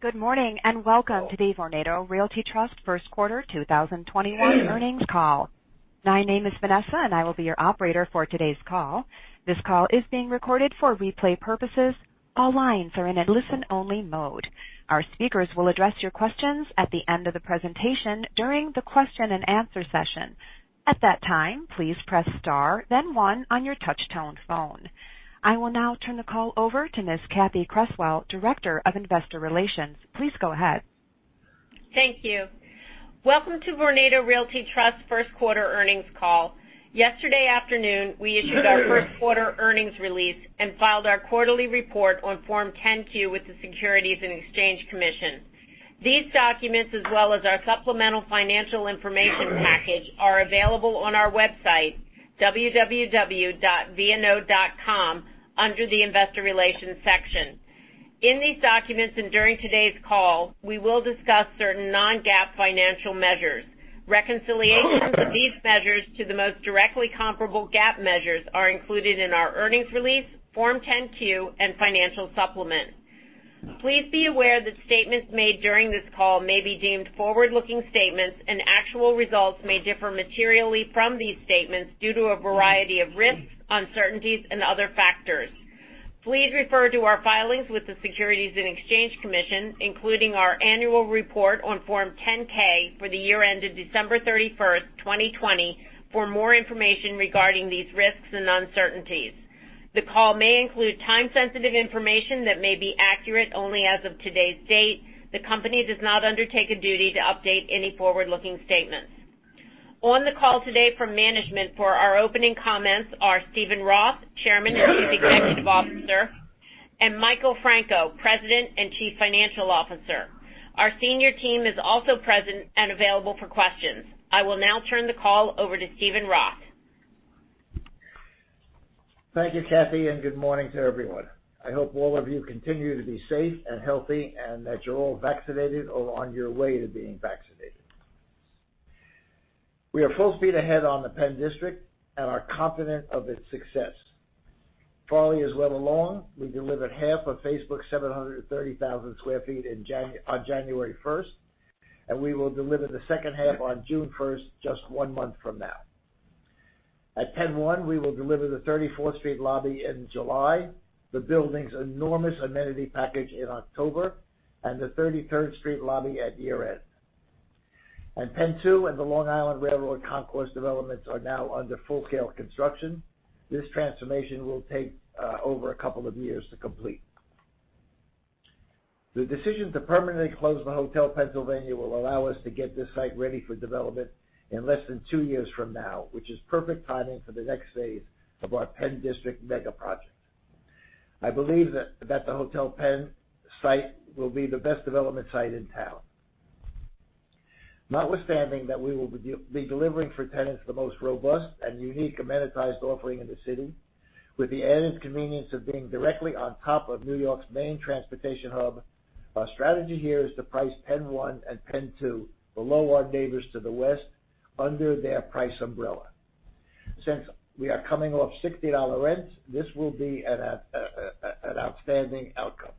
Good morning, and welcome to the Vornado Realty Trust First Quarter 2021 Earnings Call. My name is Vanessa, and I will be your operator for today's call. This call is being recorded for replay purposes. All lines are in a listen-only mode. Our speakers will address your questions at the end of the presentation during the question-and-answer session. At that time, please press star then one on your touchtone phone. I will now turn the call over to Ms. Cathy Creswell, Director of Investor Relations. Please go ahead. Thank you. Welcome to Vornado Realty Trust First Quarter Earnings Call. Yesterday afternoon, we issued our first quarter earnings release and filed our quarterly report on Form 10-Q with the Securities and Exchange Commission. These documents, as well as our supplemental financial information package, are available on our website, www.vno.com, under the investor relations section. In these documents and during today's call, we will discuss certain non-GAAP financial measures. Reconciliation of these measures to the most directly comparable GAAP measures are included in our earnings release, Form 10-Q, and financial supplement. Please be aware that statements made during this call may be deemed forward-looking statements, and actual results may differ materially from these statements due to a variety of risks, uncertainties, and other factors. Please refer to our filings with the Securities and Exchange Commission, including our annual report on Form 10-K for the year ended December 31st, 2020, for more information regarding these risks and uncertainties. The call may include time-sensitive information that may be accurate only as of today's date. The company does not undertake a duty to update any forward-looking statements. On the call today from management for our opening comments are Steven Roth, Chairman and Chief Executive Officer, and Michael Franco, President and Chief Financial Officer. Our senior team is also present and available for questions. I will now turn the call over to Steven Roth. Thank you, Cathy. Good morning to everyone. I hope all of you continue to be safe and healthy, and that you're all vaccinated or on your way to being vaccinated. We are full speed ahead on the Penn District and are confident of its success. Farley is well along. We delivered half of Facebook's 730,000 sq ft on January 1st, and we will deliver the second half on June 1st, just one month from now. At PENN 1, we will deliver the 34th Street lobby in July, the building's enormous amenity package in October, and the 33rd Street lobby at year-end. PENN 2 and the Long Island Rail Road Concourse developments are now under full-scale construction. This transformation will take over a couple of years to complete. The decision to permanently close the Hotel Pennsylvania will allow us to get this site ready for development in less than two years from now, which is perfect timing for the next phase of our Penn District mega project. I believe that the Hotel Penn site will be the best development site in town. Notwithstanding that we will be delivering for tenants the most robust and unique amenitized offering in the city with the added convenience of being directly on top of New York's main transportation hub. Our strategy here is to price PENN 1 and PENN 2 below our neighbors to the west under their price umbrella. Since we are coming off $60 rents, this will be an outstanding outcome.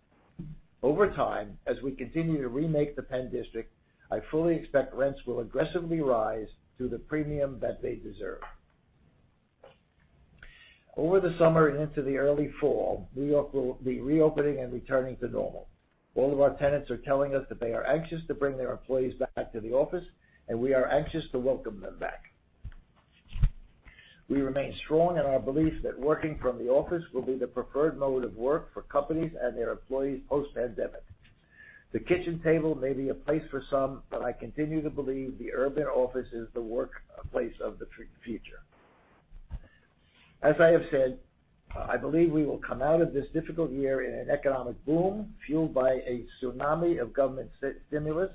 Over time, as we continue to remake the Penn District, I fully expect rents will aggressively rise to the premium that they deserve. Over the summer and into the early fall, New York will be reopening and returning to normal. All of our tenants are telling us that they are anxious to bring their employees back to the office, and we are anxious to welcome them back. We remain strong in our belief that working from the office will be the preferred mode of work for companies and their employees post-pandemic. The kitchen table may be a place for some, but I continue to believe the urban office is the workplace of the future. As I have said, I believe we will come out of this difficult year in an economic boom fueled by a tsunami of government stimulus,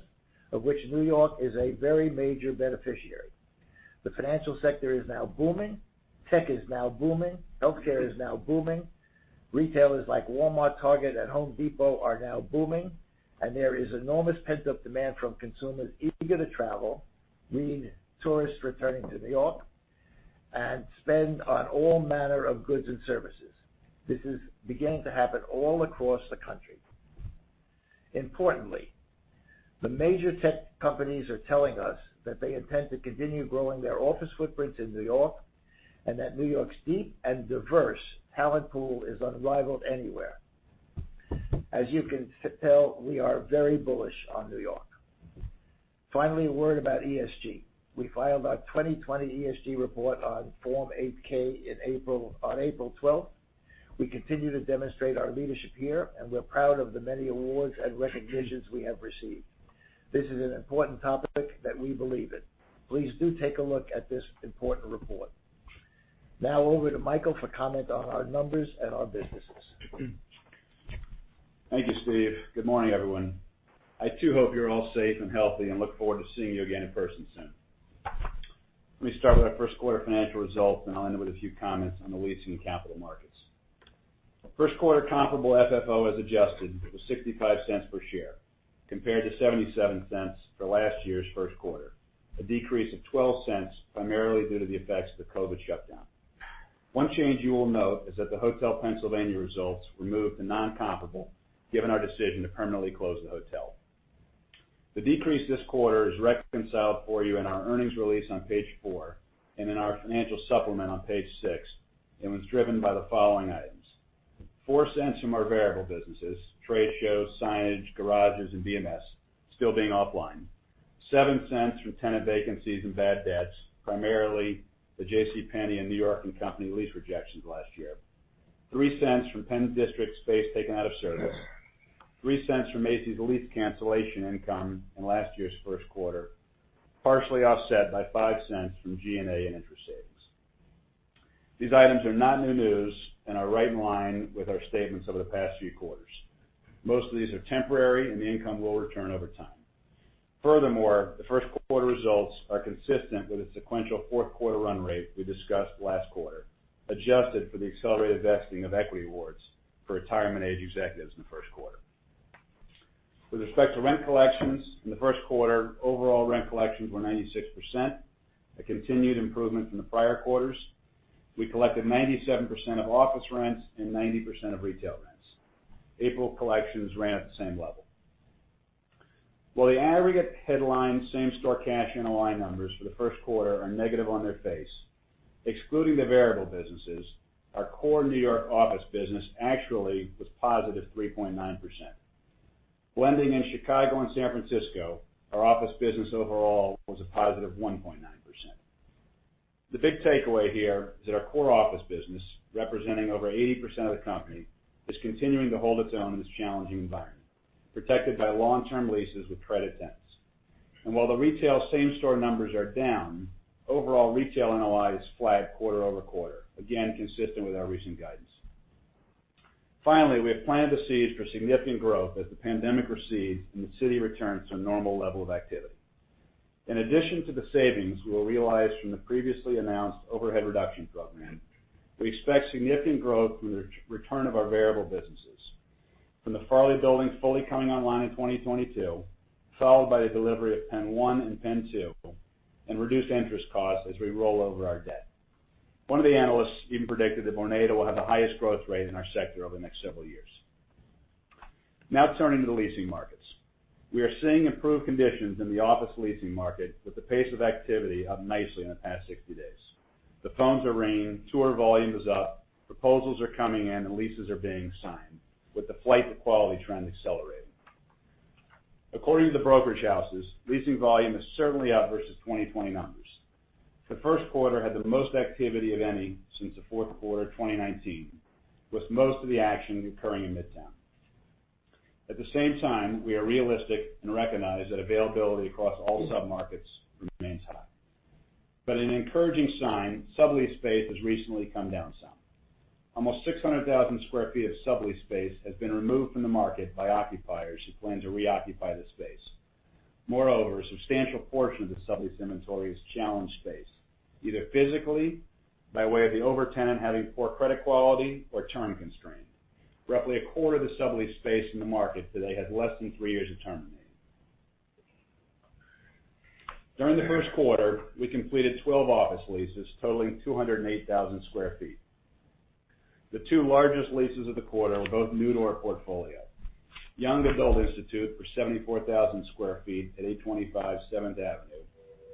of which New York is a very major beneficiary. The financial sector is now booming. Tech is now booming. Healthcare is now booming. Retailers like Walmart, Target, and Home Depot are now booming, and there is enormous pent-up demand from consumers eager to travel, read tourists returning to New York, and spend on all manner of goods and services. This is beginning to happen all across the country. Importantly, the major tech companies are telling us that they intend to continue growing their office footprints in New York, and that New York's deep and diverse talent pool is unrivaled anywhere. As you can tell, we are very bullish on New York. Finally, a word about ESG. We filed our 2020 ESG report on Form 8-K on April 12th. We continue to demonstrate our leadership here, and we're proud of the many awards and recognitions we have received. This is an important topic that we believe in. Please do take a look at this important report. Now over to Michael for comment on our numbers and our businesses. Thank you, Steve. Good morning, everyone. I too hope you're all safe and healthy and look forward to seeing you again in person soon. Let me start with our first quarter financial results. I'll end with a few comments on the leasing capital markets. First quarter comparable FFO, as adjusted, was $0.65 per share. Compared to $0.77 for last year's first quarter. A decrease of $0.12 primarily due to the effects of the COVID shutdown. One change you will note is that the Hotel Pennsylvania results were moved to non-comparable, given our decision to permanently close the hotel. The decrease this quarter is reconciled for you in our earnings release on page four and in our financial supplement on page six, was driven by the following items. $0.04 from our variable businesses, trade shows, signage, garages, and BMS still being offline. $0.07 from tenant vacancies and bad debts, primarily the JCPenney and New York & Company lease rejections last year. $0.03 from Penn District space taken out of service. $0.03 from Macy's lease cancellation income in last year's first quarter, partially offset by $0.05 from G&A and interest savings. These items are not new news and are right in line with our statements over the past few quarters. Most of these are temporary and the income will return over time. Furthermore, the first quarter results are consistent with a sequential fourth quarter run rate we discussed last quarter, adjusted for the accelerated vesting of equity awards for retirement age executives in the first quarter. With respect to rent collections, in the first quarter, overall rent collections were 96%, a continued improvement from the prior quarters. We collected 97% of office rents and 90% of retail rents. April collections ran at the same level. While the aggregate headline same-store cash NOI numbers for the first quarter are negative on their face, excluding the variable businesses, our core New York office business actually was +3.9%. Blending in Chicago and San Francisco, our office business overall was a +1.9%. The big takeaway here is that our core office business, representing over 80% of the company, is continuing to hold its own in this challenging environment, protected by long-term leases with credit tenants. While the retail same-store numbers are down, overall retail NOI is flat quarter-over-quarter. Again, consistent with our recent guidance. Finally, we have planted the seeds for significant growth as the pandemic recedes and the city returns to a normal level of activity. In addition to the savings we will realize from the previously announced overhead reduction program, we expect significant growth from the return of our variable businesses. From the Farley Building fully coming online in 2022, followed by the delivery of PENN 1 and PENN 2, and reduced interest costs as we roll over our debt. One of the analysts even predicted that Vornado will have the highest growth rate in our sector over the next several years. Turning to the leasing markets. We are seeing improved conditions in the office leasing market, with the pace of activity up nicely in the past 60 days. The phones are ringing, tour volume is up, proposals are coming in, and leases are being signed, with the flight to quality trend accelerating. According to the brokerage houses, leasing volume is certainly up versus 2020 numbers. The first quarter had the most activity of any since the fourth quarter of 2019, with most of the action occurring in Midtown. An encouraging sign, sublease space has recently come down some. Almost 600,000 sq ft of sublease space has been removed from the market by occupiers who plan to reoccupy the space. Moreover, a substantial portion of the sublease inventory is challenge space, either physically by way of the over tenant having poor credit quality or term constraint. Roughly a quarter of the sublease space in the market today has less than three years of term remaining. During the first quarter, we completed 12 office leases totaling 208,000 sq ft. The two largest leases of the quarter were both new to our portfolio. Young Adult Institute for 74,000 sq ft at 825 Seventh Avenue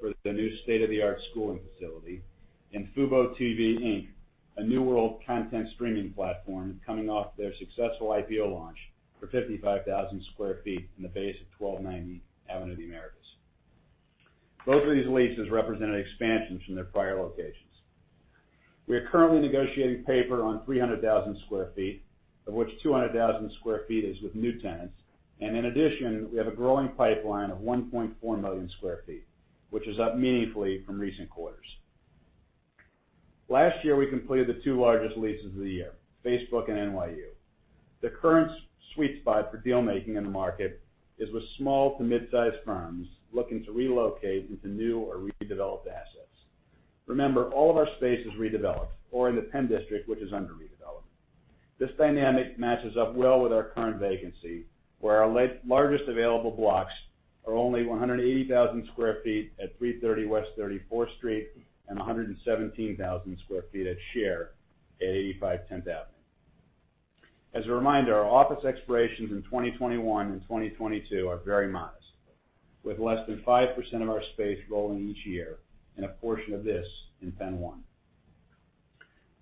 for the new state-of-the-art schooling facility, and fuboTV Inc., a new world content streaming platform coming off their successful IPO launch for 55,000 sq ft in the base of 1290 Avenue of the Americas. Both of these leases represented expansion from their prior locations. We are currently negotiating paper on 300,000 sq ft, of which 200,000 sq ft is with new tenants. In addition, we have a growing pipeline of 1.4 million sq ft, which is up meaningfully from recent quarters. Last year, we completed the two largest leases of the year, Facebook and NYU. The current sweet spot for deal-making in the market is with small to mid-size firms looking to relocate into new or redeveloped assets. Remember, all of our space is redeveloped or in the Penn District, which is under redevelopment. This dynamic matches up well with our current vacancy, where our largest available blocks are only 180,000 sq ft at 330 West 34th Street and 117,000 sq ft at 85 10th Avenue. As a reminder, our office expirations in 2021 and 2022 are very modest, with less than 5% of our space rolling each year and a portion of this in PENN 1.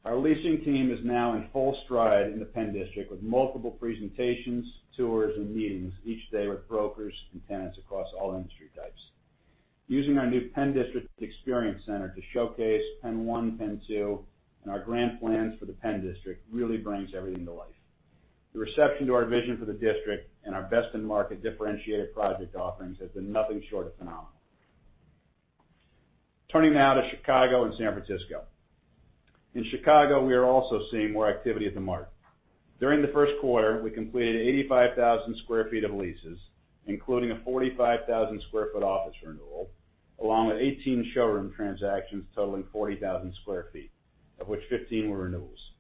Our leasing team is now in full stride in the Penn District with multiple presentations, tours, and meetings each day with brokers and tenants across all industry types. Using our new Penn District Experience Center to showcase PENN 1, PENN 2, and our grand plans for the Penn District really brings everything to life. The reception to our vision for the district and our best-in-market differentiated project offerings has been nothing short of phenomenal. Turning now to Chicago and San Francisco. In Chicago, we are also seeing more activity in the market. During the first quarter, we completed 85,000 sq ft of leases, including a 45,000 sq ft office renewal, along with 18 showroom transactions totaling 40,000 sq ft, of which 15 were renewals.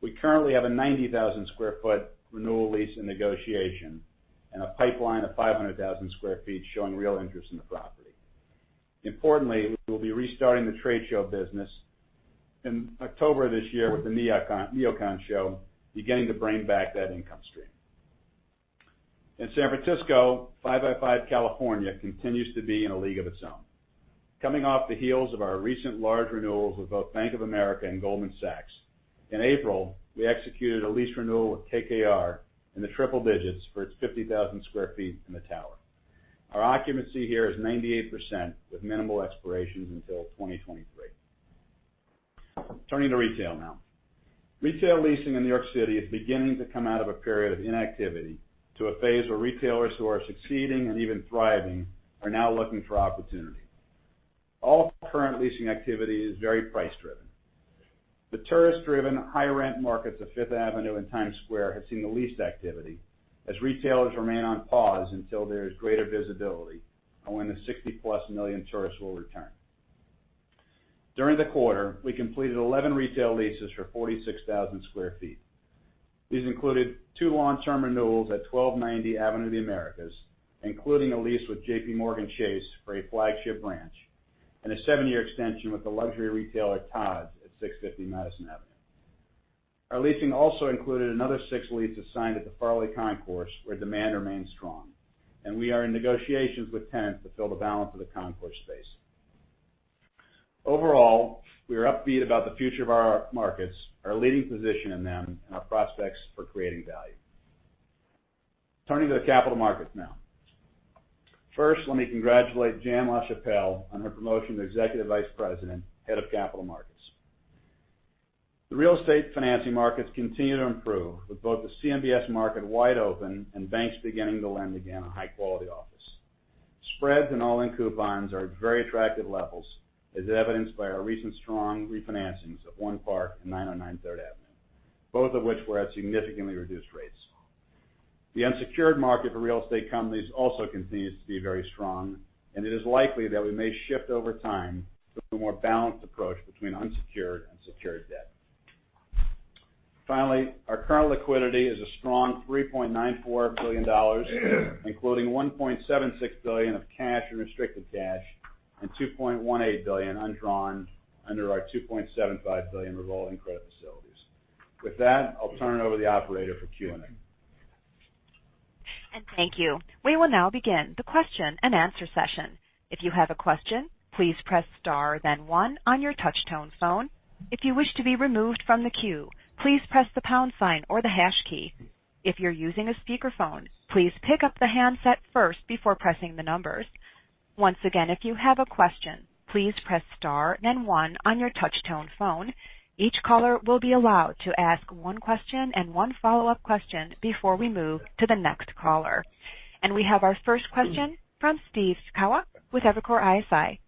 We currently have a 90,000 sq ft renewal lease in negotiation and a pipeline of 500,000 sq ft showing real interest in the property. Importantly, we'll be restarting the trade show business in October this year with the NeoCon show, beginning to bring back that income stream. In San Francisco, 555 California continues to be in a league of its own. Coming off the heels of our recent large renewals with both Bank of America and Goldman Sachs, in April, we executed a lease renewal with KKR in the triple digits for its 50,000 sq ft in the tower. Our occupancy here is 98%, with minimal expirations until 2023. Turning to retail now. Retail leasing in New York City is beginning to come out of a period of inactivity to a phase where retailers who are succeeding and even thriving are now looking for opportunity. All current leasing activity is very price-driven. The tourist-driven high-rent markets of Fifth Avenue and Times Square have seen the least activity, as retailers remain on pause until there is greater visibility on when the 60+ million tourists will return. During the quarter, we completed 11 retail leases for 46,000 sq ft. These included two long-term renewals at 1290 Avenue of the Americas, including a lease with JPMorgan Chase for a flagship branch, and a seven-year extension with the luxury retailer, Tod's, at 650 Madison Avenue. Our leasing also included another six leases signed at the Farley Concourse, where demand remains strong, and we are in negotiations with tenants to fill the balance of the concourse space. Overall, we are upbeat about the future of our markets, our leading position in them, and our prospects for creating value. Turning to the capital markets now. First, let me congratulate Jan LaChapelle on her promotion to Executive Vice President, Head of Capital Markets. The real estate financing markets continue to improve, with both the CMBS market wide open and banks beginning to lend again on high-quality office. Spreads and all-in coupons are at very attractive levels, as evidenced by our recent strong refinancings at One Park and 909 Third Avenue, both of which were at significantly reduced rates. The unsecured market for real estate companies also continues to be very strong, and it is likely that we may shift over time to a more balanced approach between unsecured and secured debt. Finally, our current liquidity is a strong $3.94 billion, including $1.76 billion of cash and restricted cash and $2.18 billion undrawn under our $2.75 billion revolving credit facilities. With that, I'll turn it over to the operator for Q&A. Thank you. We will now begin the question-and-answer session. If you have a question, please press star then one on your touch tone phone. If you wish to be removed from the queue, please press the pound sign or the hash key. If you're using a speakerphone, please pick up the handset first before pressing the numbers. Once again, if you have a question, please press star then one on your touch tone phone. Each caller will be allowed to ask one question and one follow-up question before we move to the next caller. We have our first question from Steve Sakwa with Evercore ISI.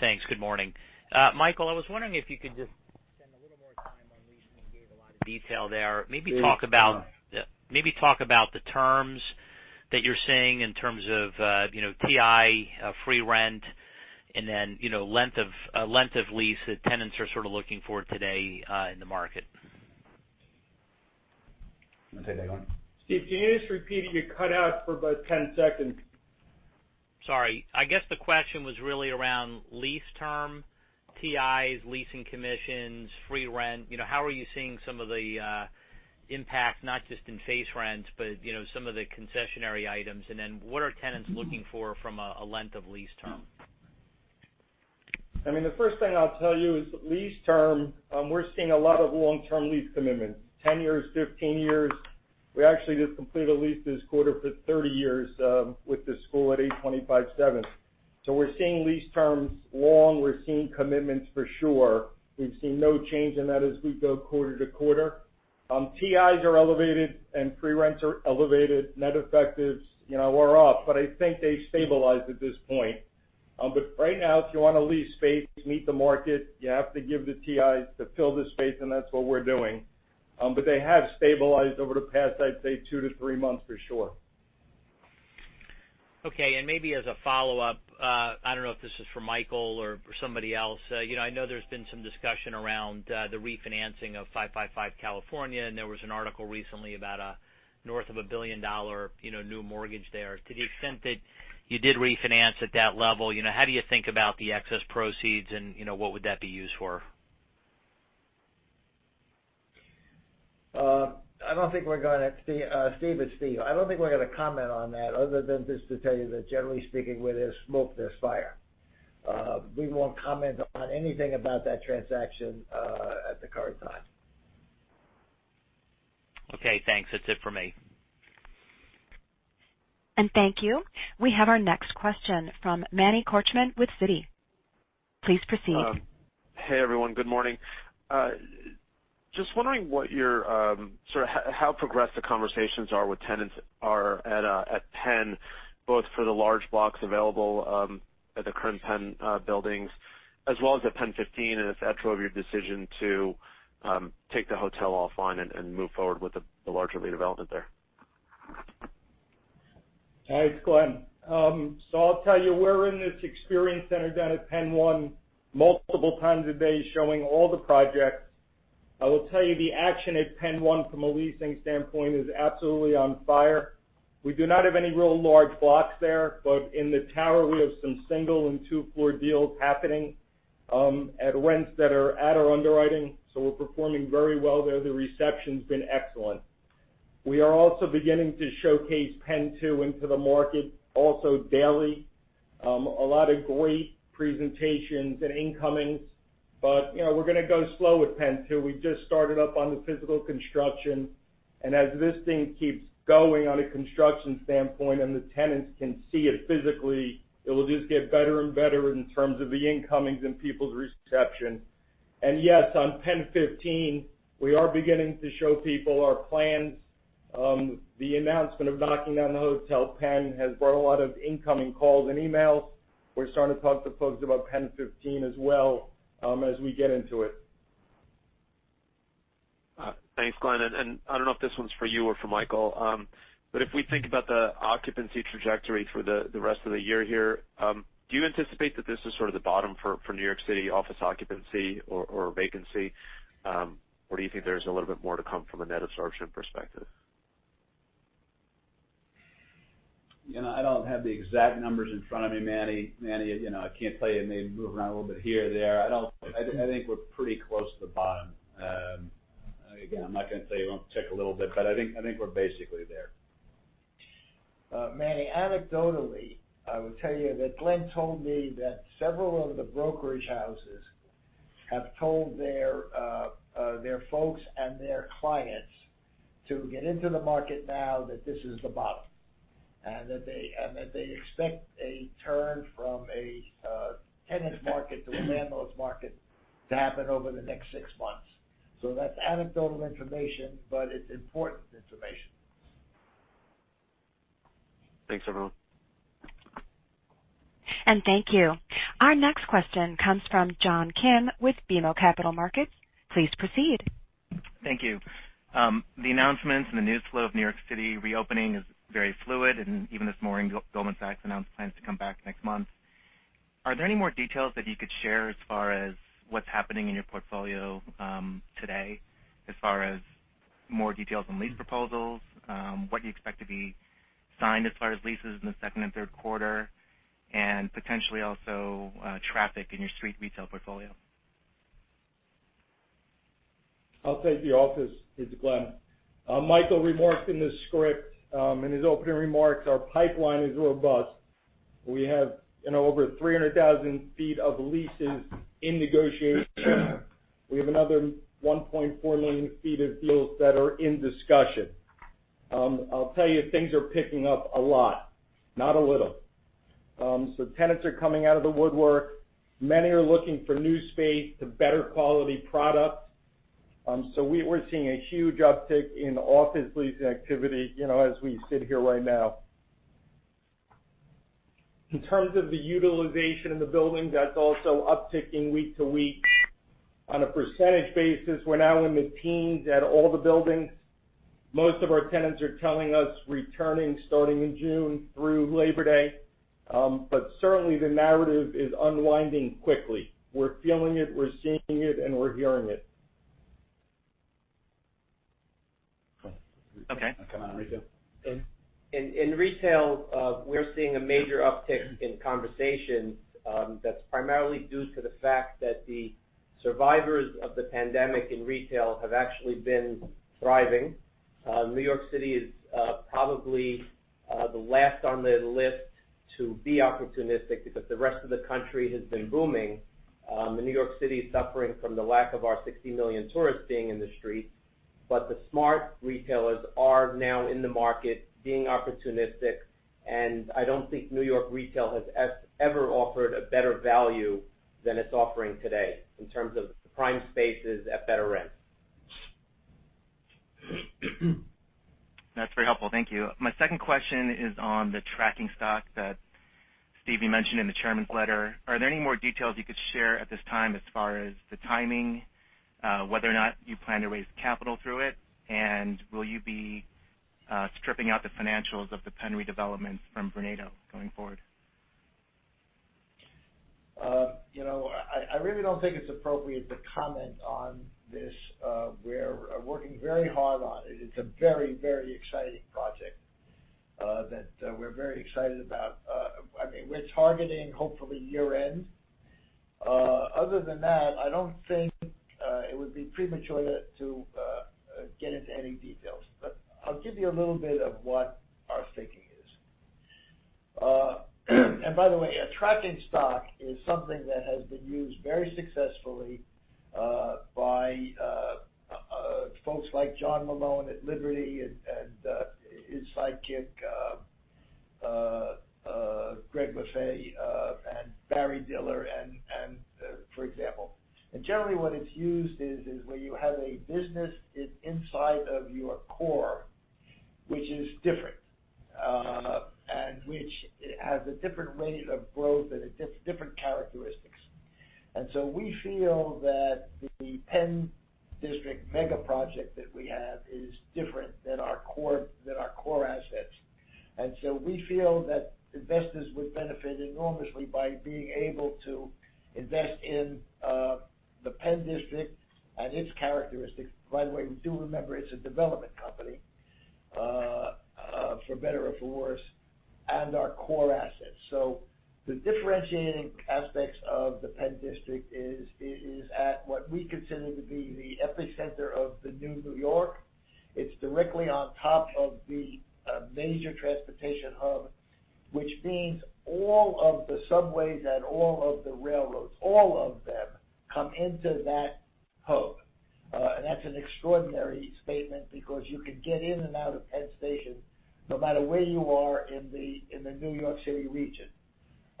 Thanks. Good morning. Michael, I was wondering if you could just spend a little more time on leasing. You gave a lot of detail there. Maybe talk about the terms that you're seeing in terms of TI, free rent, and then length of lease that tenants are looking for today in the market? You want to take that one? Steve, can you just repeat it? You cut out for about 10 seconds. Sorry. I guess the question was really around lease term, TIs, leasing commissions, free rent. How are you seeing some of the impact, not just in phase rents, but some of the concessionary items? What are tenants looking for from a length of lease term? The first thing I'll tell you is lease term, we're seeing a lot of long-term lease commitments, 10 years, 15 years. We actually just completed a lease this quarter for 30 years with the school at 825 Seventh. We're seeing lease terms long. We're seeing commitments for sure. We've seen no change in that as we go quarter to quarter. TIs are elevated, and free rents are elevated. Net effectives, we're off, but I think they've stabilized at this point. Right now, if you want to lease space, meet the market, you have to give the TIs to fill the space, and that's what we're doing. They have stabilized over the past, I'd say, two to three months for sure. Okay, maybe as a follow-up, I don't know if this is for Michael or for somebody else. I know there's been some discussion around the refinancing of 555 California, and there was an article recently about north of a $1 billion new mortgage there. To the extent that you did refinance at that level, how do you think about the excess proceeds and what would that be used for? Steve, it's Steve. I don't think we're going to comment on that other than just to tell you that generally speaking, where there's smoke, there's fire. We won't comment on anything about that transaction at the current time. Okay, thanks. That's it for me. Thank you. We have our next question from Manny Korchman with Citi. Please proceed. Hey, everyone. Good morning. Just wondering how progressive conversations are with tenants at Penn, both for the large blocks available at the current Penn buildings as well as at PENN 15. If that's true of your decision to take the hotel offline and move forward with the larger redevelopment there. Hi, it's Glen. I'll tell you, we're in this experience center down at PENN 1 multiple times a day showing all the projects. I will tell you the action at PENN 1 from a leasing standpoint is absolutely on fire. We do not have any real large blocks there, but in the tower we have some single and two-floor deals happening at rents that are at our underwriting. We're performing very well there. The reception's been excellent. We are also beginning to showcase PENN 2 into the market also daily. A lot of great presentations and incomings, but we're going to go slow with PENN 2. We just started up on the physical construction, and as this thing keeps going on a construction standpoint and the tenants can see it physically, it will just get better and better in terms of the incomings and people's reception. Yes, on PENN 15, we are beginning to show people our plans. The announcement of knocking down the Hotel Pennsylvania has brought a lot of incoming calls and emails. We're starting to talk to folks about PENN 15 as well, as we get into it. Thanks, Glen. I don't know if this one's for you or for Michael, but if we think about the occupancy trajectory through the rest of the year here, do you anticipate that this is sort of the bottom for New York City office occupancy or vacancy? Do you think there's a little bit more to come from a net absorption perspective? I don't have the exact numbers in front of me, Manny. I can't tell you, it may move around a little bit here or there. I think we're pretty close to the bottom. Again, I'm not going to tell you it won't tick a little bit, but I think we're basically there. Manny, anecdotally, I will tell you that Glen told me that several of the brokerage houses have told their folks and their clients to get into the market now that this is the bottom, and that they expect a turn from a tenant market to a landlord's market to happen over the next six months. That's anecdotal information, but it's important information. Thanks, everyone. Thank you. Our next question comes from John Kim with BMO Capital Markets. Please proceed. Thank you. The announcements and the news flow of New York City reopening is very fluid, and even this morning, Goldman Sachs announced plans to come back next month. Are there any more details that you could share as far as what's happening in your portfolio today, as far as more details on lease proposals, what you expect to be signed as far as leases in the second and third quarter, and potentially also traffic in your street retail portfolio? I'll take the office. It's Glen. Michael remarked in the script, in his opening remarks, our pipeline is robust. We have over 300,000 ft of leases in negotiation. We have another 1.4 million ft of deals that are in discussion. I'll tell you, things are picking up a lot, not a little. Tenants are coming out of the woodwork. Many are looking for new space to better quality product. We're seeing a huge uptick in office leasing activity as we sit here right now. In terms of the utilization of the building, that's also upticking week to week. On a percentage basis, we're now in the teens at all the buildings. Most of our tenants are telling us returning starting in June through Labor Day. Certainly, the narrative is unwinding quickly. We're feeling it, we're seeing it, and we're hearing it. Okay. You want to comment on retail? In retail, we're seeing a major uptick in conversations that's primarily due to the fact that the survivors of the pandemic in retail have actually been thriving. New York City is probably the last on the list to be opportunistic because the rest of the country has been booming. New York City is suffering from the lack of our 60 million tourists being in the streets, but the smart retailers are now in the market being opportunistic, and I don't think New York retail has ever offered a better value than it's offering today in terms of prime spaces at better rents. That's very helpful. Thank you. My second question is on the tracking stock that, Steve, you mentioned in the chairman's letter. Are there any more details you could share at this time as far as the timing, whether or not you plan to raise capital through it, and will you be stripping out the financials of the Penn redevelopments from Vornado going forward? I really don't think it's appropriate to comment on this. We're working very hard on it. It's a very exciting project that we're very excited about. We're targeting hopefully year-end. Other than that, I don't think it would be premature to get into any details. I'll give you a little bit of what our thinking is. By the way, a tracking stock is something that has been used very successfully by folks like John Malone at Liberty and his sidekick Greg Maffei, and Barry Diller, for example. Generally, what it's used is where you have a business inside of your core, which is different, and which has a different rate of growth and different characteristics We feel that the Penn District megaproject that we have is different than our core assets. We feel that investors would benefit enormously by being able to invest in the Penn District and its characteristics. By the way, do remember it's a development company, for better or for worse, and our core assets. The differentiating aspects of the Penn District is at what we consider to be the epicenter of the new New York. It's directly on top of the major transportation hub, which means all of the subways and all of the railroads, all of them, come into that hub. That's an extraordinary statement because you can get in and out of Penn Station no matter where you are in the New York City region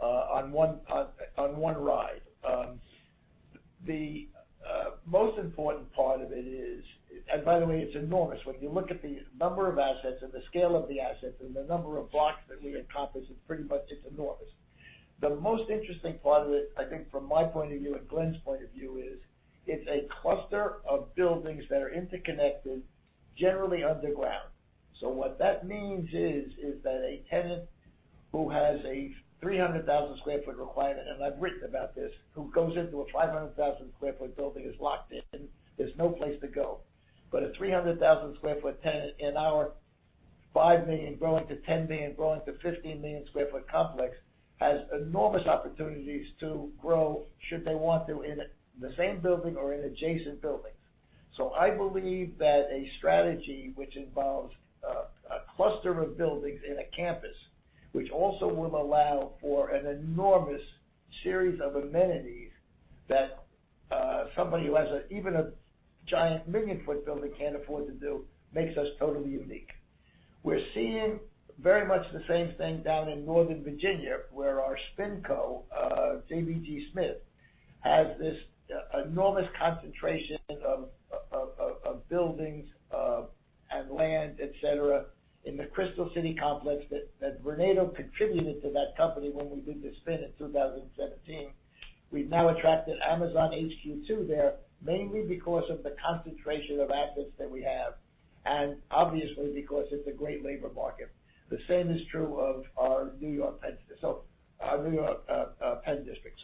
on one ride. The most important part of it is. By the way, it's enormous. When you look at the number of assets and the scale of the assets and the number of blocks that we encompass, it's enormous. The most interesting part of it, I think from my point of view and Glen's point of view is, it's a cluster of buildings that are interconnected, generally underground. What that means is that a tenant who has a 300,000 sq ft requirement, and I've written about this, who goes into a 500,000 sq ft building is locked in. There's no place to go. But a 300,000 sq ft tenant in our 5 million sq ft growing to 10 million sq ft, growing to 15 million sq ft complex has enormous opportunities to grow should they want to in the same building or in adjacent buildings. I believe that a strategy which involves a cluster of buildings in a campus, which also will allow for an enormous series of amenities that somebody who has even a giant million-foot building can't afford to do, makes us totally unique. We're seeing very much the same thing down in Northern Virginia, where our spin co, JBG SMITH, has this enormous concentration of buildings, and land, et cetera, in the Crystal City complex that Vornado contributed to that company when we did the spin in 2017. We've now attracted Amazon HQ to there, mainly because of the concentration of assets that we have, and obviously because it's a great labor market. The same is true of our New York Penn District.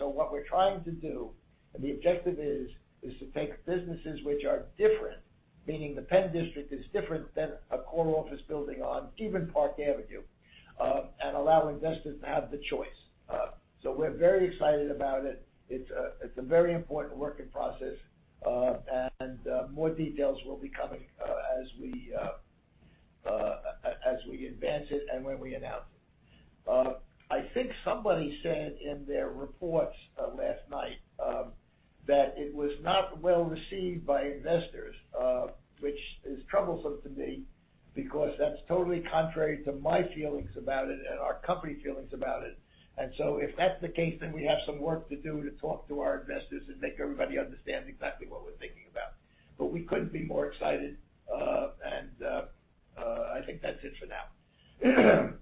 What we're trying to do, and the objective is to take businesses which are different, meaning the Penn District is different than a core office building on even Park Avenue, and allow investors to have the choice. We're very excited about it. It's a very important work in process. More details will be coming as we advance it and when we announce it. I think somebody said in their reports last night that it was not well received by investors, which is troublesome to me because that's totally contrary to my feelings about it and our company's feelings about it. If that's the case, then we have some work to do to talk to our investors and make everybody understand exactly what we're thinking about. We couldn't be more excited, and I think that's it for now.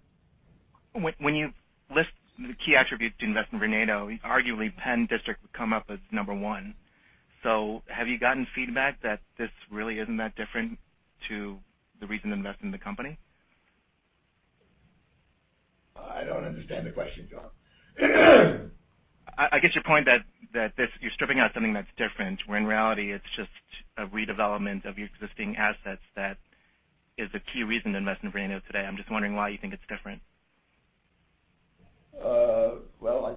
When you list the key attributes to invest in Vornado, arguably Penn District would come up as number one. Have you gotten feedback that this really isn't that different to the reason to invest in the company? I don't understand the question, John. I get your point that you're stripping out something that's different, when in reality, it's just a redevelopment of your existing assets that is a key reason to invest in Vornado today. I'm just wondering why you think it's different. Well,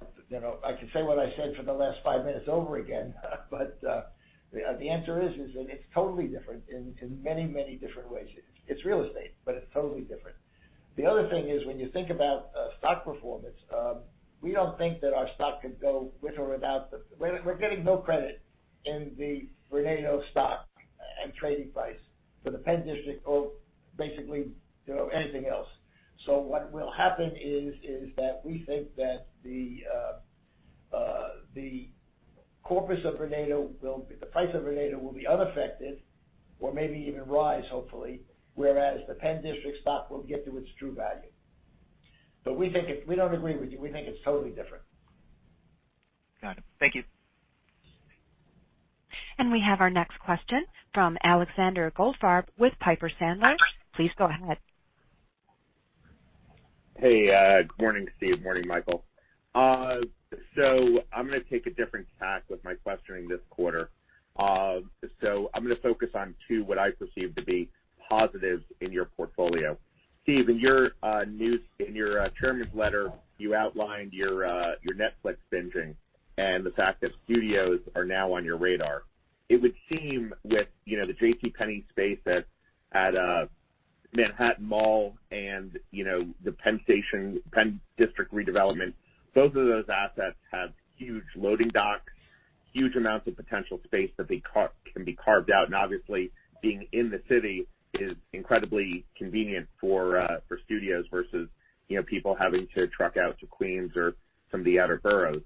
I can say what I said for the last five minutes over again, the answer is that it's totally different in many different ways. It's real estate, it's totally different. The other thing is when you think about stock performance, we don't think that our stock could go. We're getting no credit in the Vornado stock and trading price for the Penn District or basically anything else. What will happen is that we think that the corpus of Vornado will, the price of Vornado will be unaffected or maybe even rise hopefully, whereas the Penn District stock will get to its true value. We don't agree with you. We think it's totally different. Got it. Thank you. We have our next question from Alexander Goldfarb with Piper Sandler. Please go ahead. Hey, good morning, Steve. Morning, Michael. I'm going to take a different tack with my questioning this quarter. I'm going to focus on two what I perceive to be positives in your portfolio. Steve, in your chairman's letter, you outlined your Netflix binging and the fact that studios are now on your radar. It would seem with the JCPenney space at Manhattan Mall and the Penn Station Penn District redevelopment, both of those assets have huge loading docks, huge amounts of potential space that can be carved out, and obviously being in the city is incredibly convenient for studios versus people having to trek out to Queens or some of the outer boroughs.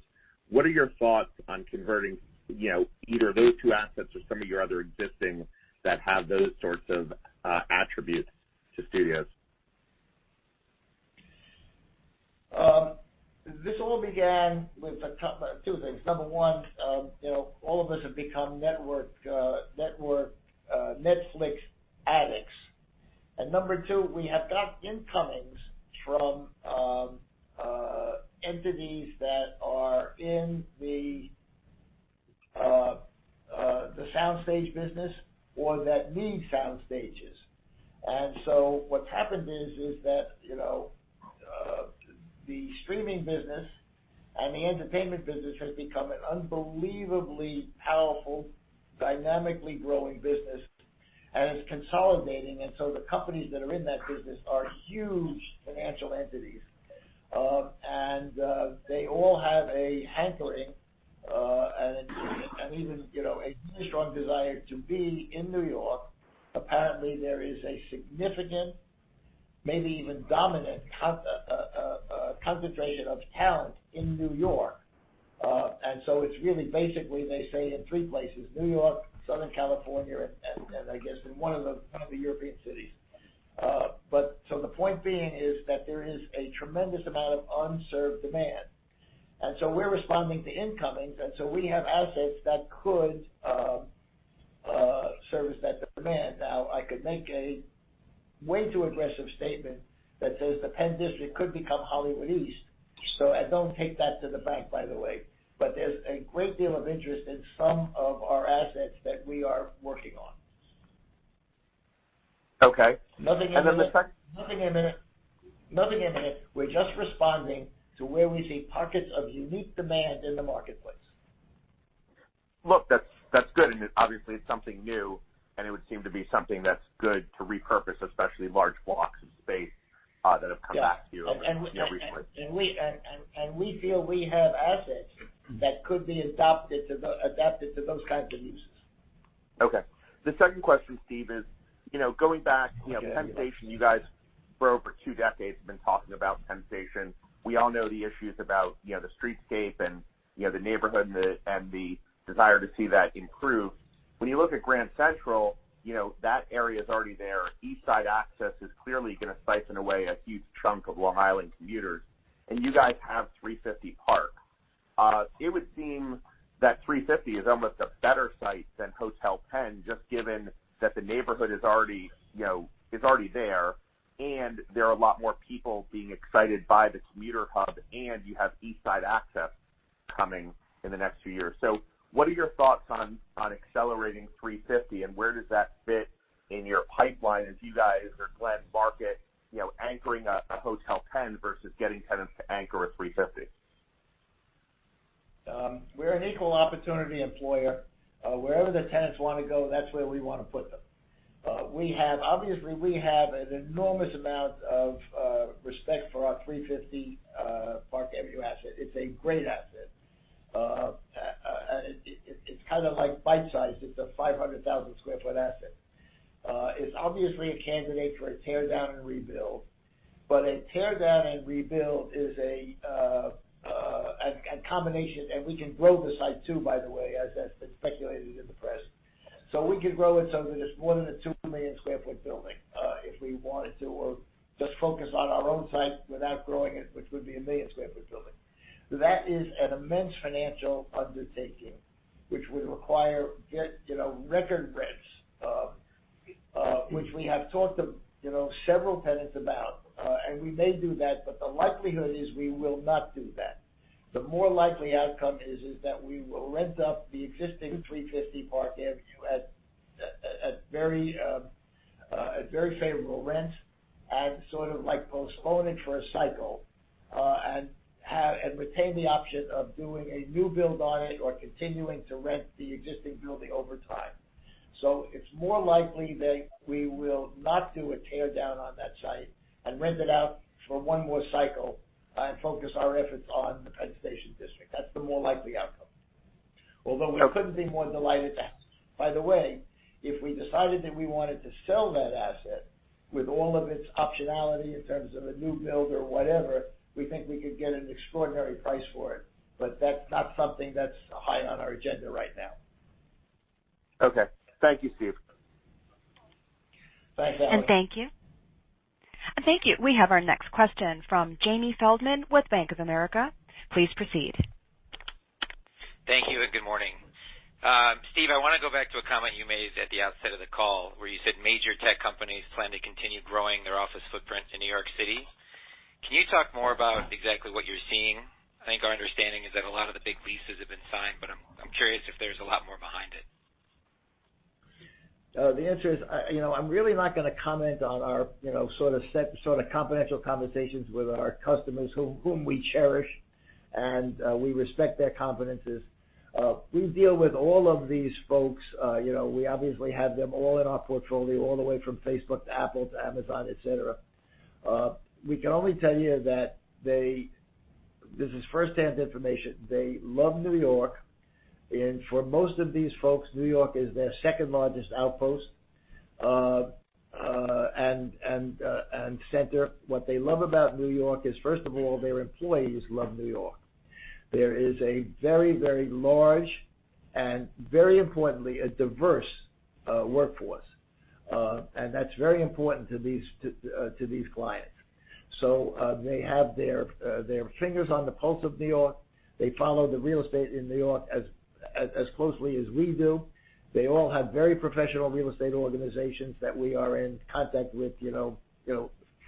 What are your thoughts on converting either of those two assets or some of your other existing that have those sorts of attributes to studios? This all began with two things. Number one, all of us have become Netflix addicts. Number two, we have got incomings from entities that are in the soundstage business or that need soundstages. What's happened is that the streaming business and the entertainment business has become an unbelievably powerful, dynamically growing business, and it's consolidating. The companies that are in that business are huge financial entities. They all have a hankering and even a strong desire to be in New York. Apparently, there is a significant, maybe even dominant, concentration of talent in New York. It's really basically, they say, in three places, New York, Southern California, and I guess in one of the European cities. The point being is that there is a tremendous amount of unserved demand. We're responding to incomings, and so we have assets that could service that demand. I could make a way too aggressive statement that says the Penn District could become Hollywood East. Don't take that to the bank, by the way. There's a great deal of interest in some of our assets that we are working on. Okay. Nothing imminent. We're just responding to where we see pockets of unique demand in the marketplace. Look, that's good. Obviously, it's something new, and it would seem to be something that's good to repurpose, especially large blocks of space that have come back to you recently. We feel we have assets that could be adapted to those kinds of uses. Okay. The second question, Steve, is going back to Penn Station, you guys for over two decades have been talking about Penn Station. We all know the issues about the streetscape and the neighborhood and the desire to see that improve. When you look at Grand Central, that area is already there. East Side Access is clearly going to siphon away a huge chunk of Long Island commuters. You guys have 350 Park. It would seem that 350 Park is almost a better site than Hotel Pennsylvania, just given that the neighborhood is already there, and there are a lot more people being excited by the commuter hub, and you have East Side Access coming in the next few years. What are your thoughts on accelerating 350 Park, and where does that fit in your pipeline as you guys or Glen market anchoring a Hotel Penn versus getting tenants to anchor a 350 Park? We're an equal opportunity employer. Wherever the tenants want to go, that's where we want to put them. Obviously, we have an enormous amount of respect for our 350 Park Avenue asset. It's a great asset. It's kind of bite-sized. It's a 500,000 sq ft asset. It's obviously a candidate for a tear down and rebuild, but a tear down and rebuild is a combination, and we can grow the site too, by the way, as has been speculated in the press. We could grow it so that it's more than a 2 million sq ft building if we wanted to, or just focus on our own site without growing it, which would be a 1 million sq ft building. That is an immense financial undertaking, which would require record rents, which we have talked to several tenants about, and we may do that, but the likelihood is we will not do that. The more likely outcome is that we will rent up the existing 350 Park Avenue at very favorable rent and sort of postpone it for a cycle, and retain the option of doing a new build on it or continuing to rent the existing building over time. It's more likely that we will not do a tear down on that site and rent it out for one more cycle and focus our efforts on the Penn Station District. That's the more likely outcome. Although we couldn't be more delighted to. If we decided that we wanted to sell that asset with all of its optionality in terms of a new build or whatever, we think we could get an extraordinary price for it, but that's not something that's high on our agenda right now. Okay. Thank you, Steve. Thanks, Alexander. Thank you. We have our next question from Jamie Feldman with Bank of America. Please proceed. Thank you. Good morning. Steve, I want to go back to a comment you made at the outset of the call where you said major tech companies plan to continue growing their office footprint in New York City. Can you talk more about exactly what you're seeing? I think our understanding is that a lot of the big leases have been signed. I'm curious if there's a lot more behind it. The answer is, I'm really not going to comment on our sort of confidential conversations with our customers whom we cherish. We respect their confidences. We deal with all of these folks. We obviously have them all in our portfolio, all the way from Facebook to Apple to Amazon, et cetera. We can only tell you this is first-hand information. They love New York. For most of these folks, New York is their second largest outpost and center. What they love about New York is, first of all, their employees love New York. There is a very large and very importantly, a diverse workforce. That's very important to these clients. They have their fingers on the pulse of New York. They follow the real estate in New York as closely as we do. They all have very professional real estate organizations that we are in contact with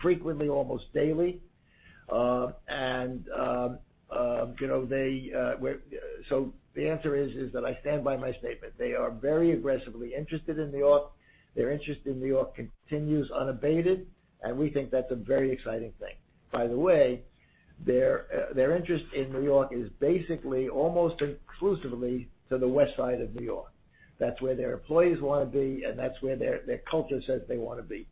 frequently, almost daily. The answer is that I stand by my statement. They are very aggressively interested in New York. Their interest in New York continues unabated, and we think that's a very exciting thing. By the way, their interest in New York is basically almost exclusively to the West Side of New York. That's where their employees want to be, and that's where their culture says they want to be.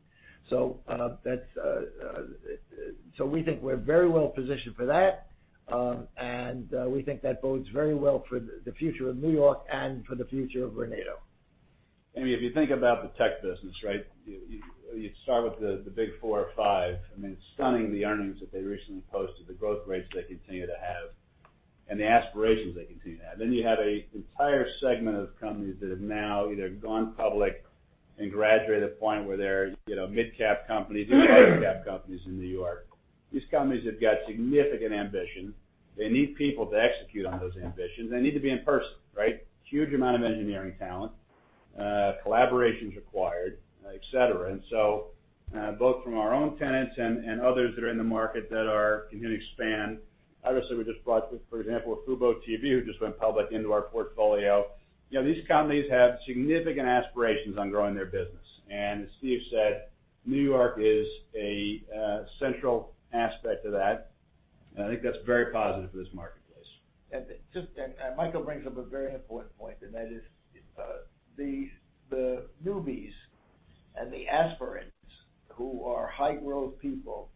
We think we're very well positioned for that. We think that bodes very well for the future of New York and for the future of Vornado. If you think about the tech business, right, you'd start with the big four or five. I mean stunning the earnings that they recently posted, the growth rates they continue to have, and the aspirations they continue to have. You have an entire segment of companies that have now either gone public and graduated to the point where they're mid-cap companies, even large-cap companies in New York. These companies have got significant ambition. They need people to execute on those ambitions. They need to be in person, right? Huge amount of engineering talent, collaborations required, et cetera. Both from our own tenants and others that are in the market that are continuing to expand. Obviously, we just brought, for example, fuboTV, who just went public, into our portfolio. These companies have significant aspirations on growing their business. As Steve said, New York is a central aspect of that. I think that's very positive for this marketplace. Michael brings up a very important point, and that is the newbies and the aspirants who are high-growth people,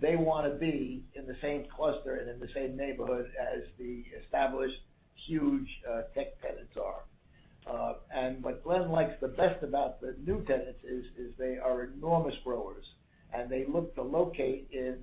they want to be in the same cluster and in the same neighborhood as the established huge tech tenants are. What Glen likes the best about the new tenants is they are enormous growers, and they look to locate in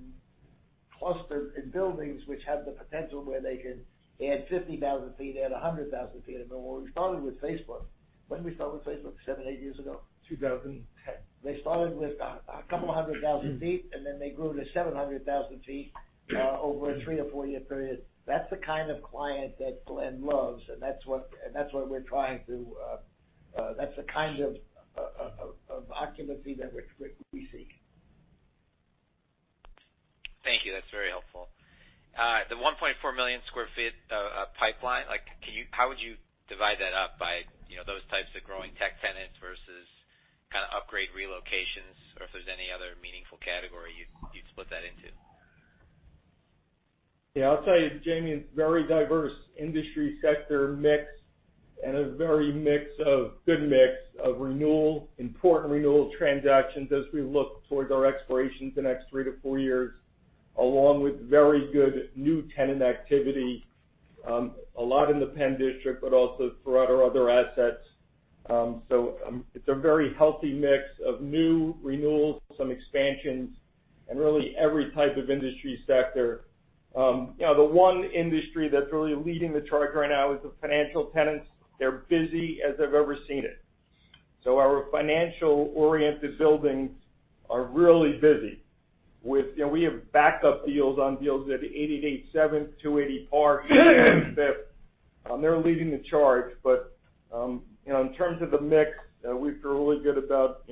cluster, in buildings which have the potential where they can add 50,000 ft, add 100,000 ft. I mean, when we started with Facebook When did we start with Facebook? Seven, eight years ago? 2010. They started with a couple 100,000 feet, and then they grew to 700,000 feet over a three- to four-year period. That's the kind of client that Glen loves, and that's the kind of occupancy that we seek. Thank you. That's very helpful. The 1.4 million sq ft pipeline, how would you divide that up by those types of growing tech tenants versus kind of upgrade relocations, or if there's any other meaningful category you'd split that into? Yeah, I'll tell you, Jamie, it's a very diverse industry sector mix and a very good mix of important renewal transactions as we look towards our expirations the next three to four years, along with very good new tenant activity, a lot in the Penn District, but also throughout our other assets. It's a very healthy mix of new renewals, some expansions, and really every type of industry sector. The one industry that's really leading the charge right now is the financial tenants. They're busy as I've ever seen it. Our financial-oriented buildings are really busy. We have backup deals on deals at 888 Seventh Avenue, 280 Park Avenue. They're leading the charge, but in terms of the mix, we feel really good about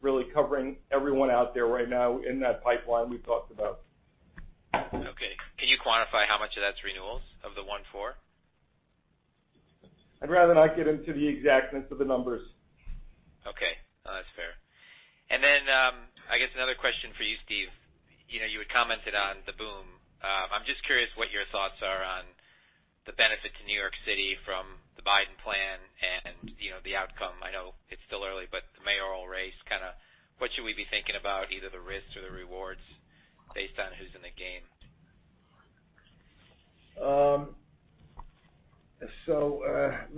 really covering everyone out there right now in that pipeline we've talked about. Okay. Can you quantify how much of that's renewals of the 1.4 million sq ft? I'd rather not get into the exactness of the numbers. Okay. No, that's fair. I guess another question for you, Steve. You had commented on the boom. I'm just curious what your thoughts are on the benefit to New York City from the Biden plan and the outcome. I know it's still early, the mayoral race kind of What should we be thinking about, either the risks or the rewards based on who's in the game?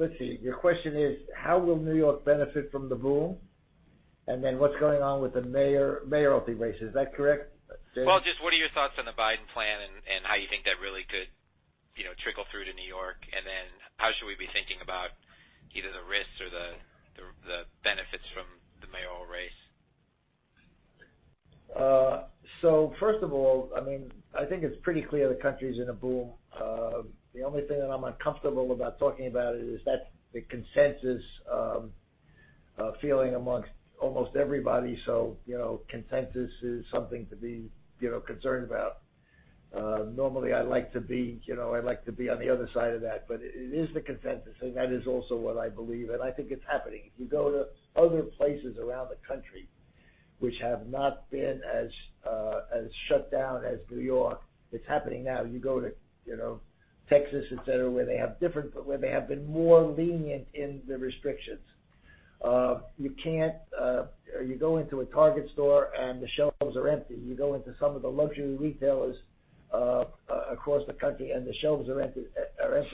Let's see. Your question is, how will New York benefit from the boom? What's going on with the mayoralty race, is that correct, Jamie? Well, just what are your thoughts on the Biden plan, and how you think that really could trickle through to New York? How should we be thinking about either the risks or the benefits from the mayoral race? First of all, I think it's pretty clear the country's in a boom. The only thing that I'm uncomfortable about talking about it is that's the consensus feeling amongst almost everybody. Consensus is something to be concerned about. Normally, I like to be on the other side of that, but it is the consensus, and that is also what I believe, and I think it's happening. If you go to other places around the country, which have not been as shut down as New York, it's happening now. You go to Texas, et cetera, where they have been more lenient in the restrictions. You go into a Target store, and the shelves are empty. You go into some of the luxury retailers across the country, and the shelves are empty.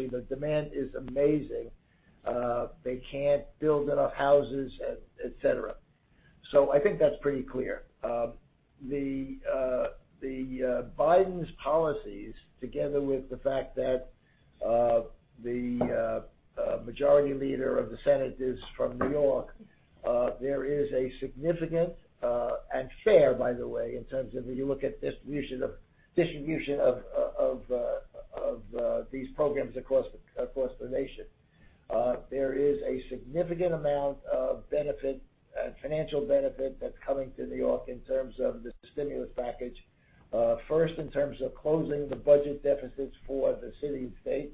The demand is amazing. They can't build enough houses, et cetera. I think that's pretty clear. Biden's policies, together with the fact that the majority leader of the Senate is from New York, there is a significant, and fair, by the way, in terms of when you look at distribution of these programs across the nation. There is a significant amount of financial benefit that's coming to New York in terms of the stimulus package. First, in terms of closing the budget deficits for the city and state,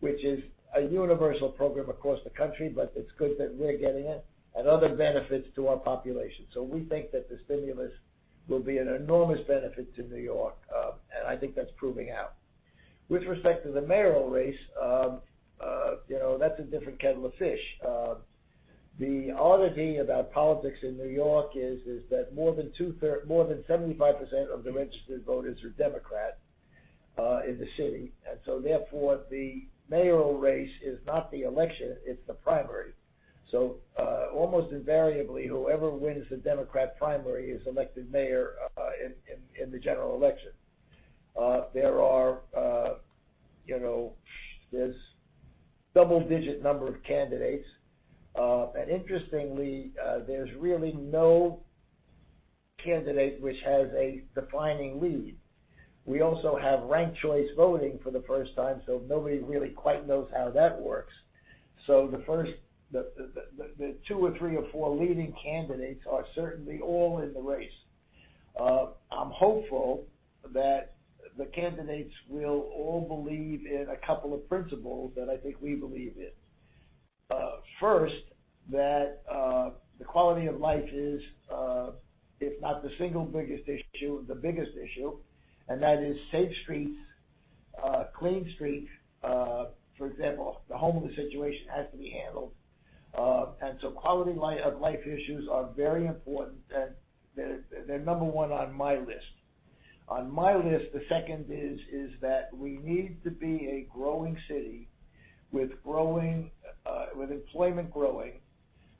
which is a universal program across the country, it's good that we're getting it, and other benefits to our population. We think that the stimulus will be an enormous benefit to New York, and I think that's proving out. With respect to the mayoral race, that's a different kettle of fish. The oddity about politics in New York is that more than 75% of the registered voters are Democrat in the city. Therefore, the mayoral race is not the election, it's the primary. Almost invariably, whoever wins the Democrat primary is elected mayor in the general election. There's double-digit number of candidates. Interestingly, there's really no candidate which has a defining lead. We also have ranked choice voting for the first time, nobody really quite knows how that works. The two or three or four leading candidates are certainly all in the race. I'm hopeful that the candidates will all believe in a couple of principles that I think we believe in. First, that the quality of life is, if not the single biggest issue, the biggest issue, and that is safe streets, clean streets. For example, the homeless situation has to be handled. Quality of life issues are very important, and they're number one on my list. On my list, the second is that we need to be a growing city with employment growing,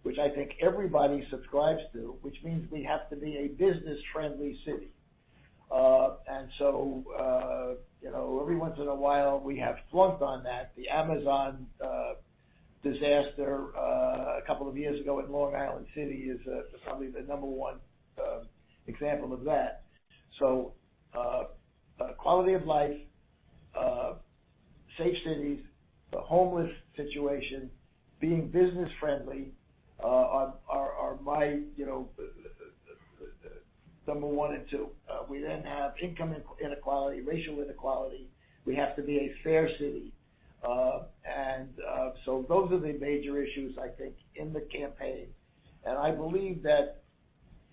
which I think everybody subscribes to, which means we have to be a business-friendly city. Every once in a while we have flunked on that. The Amazon disaster a couple of years ago in Long Island City is probably the number one example of that. Quality of life, safe cities, the homeless situation, being business friendly, are my number one and two. We then have income inequality, racial inequality. We have to be a fair city. Those are the major issues, I think, in the campaign. I believe that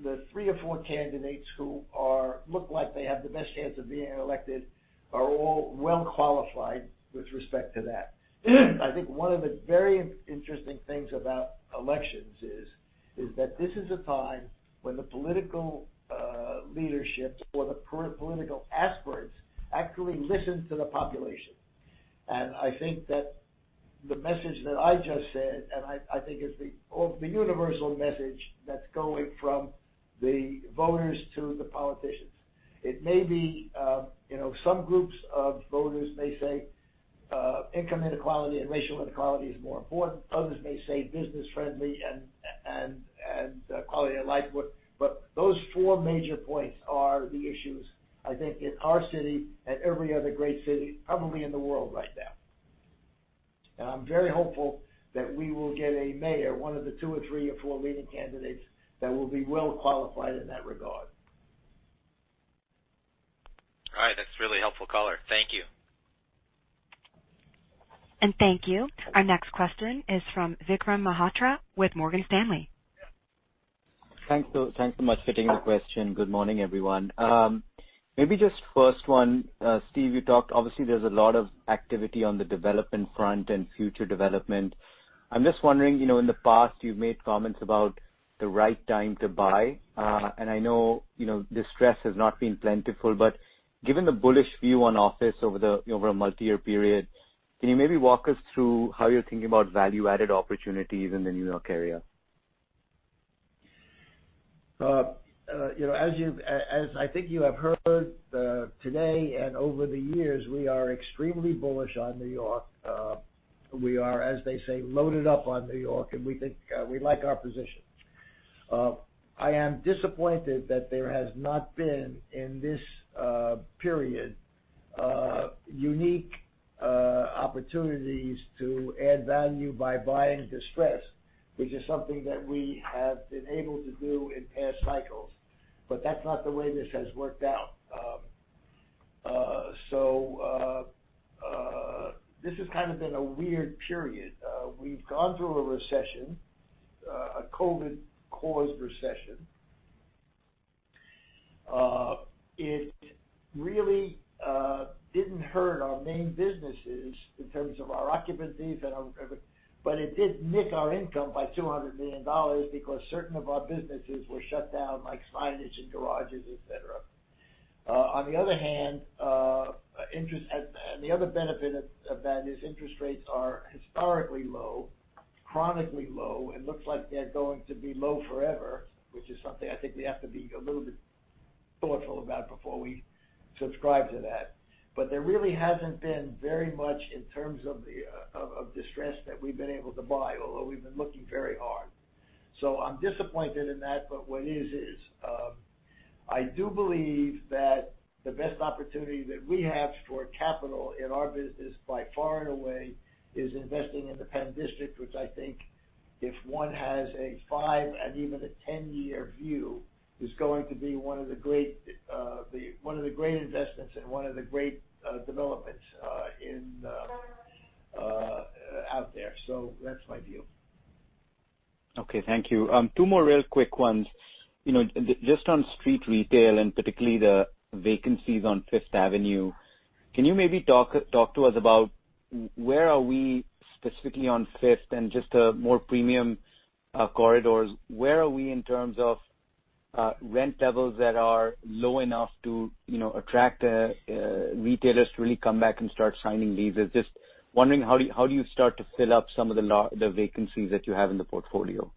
the three or four candidates who look like they have the best chance of being elected are all well qualified with respect to that. I think one of the very interesting things about elections is that this is a time when the political leadership or the political aspirants actually listen to the population. I think that the message that I just said, and I think it's the universal message that's going from the voters to the politicians. It may be some groups of voters may say income inequality and racial inequality is more important. Others may say business friendly and quality of life. Those four major points are the issues, I think, in our city and every other great city, probably in the world right now. I'm very hopeful that we will get a mayor, one of the two or three or four leading candidates, that will be well qualified in that regard. All right. That's really helpful, caller. Thank you. Thank you. Our next question is from Vikram Malhotra with Morgan Stanley. Thanks so much for taking the question. Good morning, everyone. Maybe just first one, Steve, you talked, obviously, there's a lot of activity on the development front and future development. I'm just wondering, in the past, you've made comments about the right time to buy. I know distress has not been plentiful, given the bullish view on office over a multi-year period, can you maybe walk us through how you're thinking about value-added opportunities in the New York area? As I think you have heard today and over the years, we are extremely bullish on New York. We are, as they say, loaded up on New York, and we like our position. I am disappointed that there has not been, in this period, unique opportunities to add value by buying distress, which is something that we have been able to do in past cycles. That's not the way this has worked out. This has kind of been a weird period. We've gone through a recession, a COVID-caused recession. It really didn't hurt our main businesses in terms of our occupancies and our revenue, but it did nick our income by $200 million because certain of our businesses were shut down, like signage and garages, et cetera. On the other hand, and the other benefit of that is interest rates are historically low, chronically low, and looks like they're going to be low forever, which is something I think we have to be a little bit thoughtful about before we subscribe to that. There really hasn't been very much in terms of distress that we've been able to buy, although we've been looking very hard. I'm disappointed in that, but what is. I do believe that the best opportunity that we have for capital in our business by far and away is investing in the Penn District, which I think if one has a five and even a 10-year view, is going to be one of the great investments and one of the great developments out there. That's my view. Okay. Thank you. Two more real quick ones. Just on street retail and particularly the vacancies on Fifth Avenue, can you maybe talk to us about where are we specifically on Fifth and just the more premium corridors, where are we in terms of rent levels that are low enough to attract retailers to really come back and start signing leases? Just wondering, how do you start to fill up some of the vacancies that you have in the portfolio?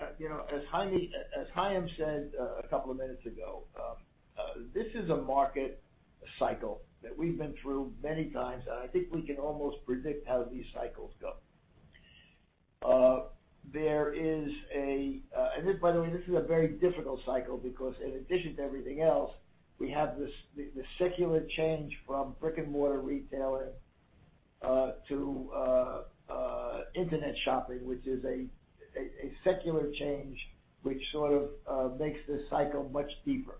As Haim said a couple of minutes ago, this is a market cycle that we've been through many times. I think we can almost predict how these cycles go. By the way, this is a very difficult cycle because in addition to everything else, we have the secular change from brick-and-mortar retailing to internet shopping, which is a secular change which sort of makes this cycle much deeper.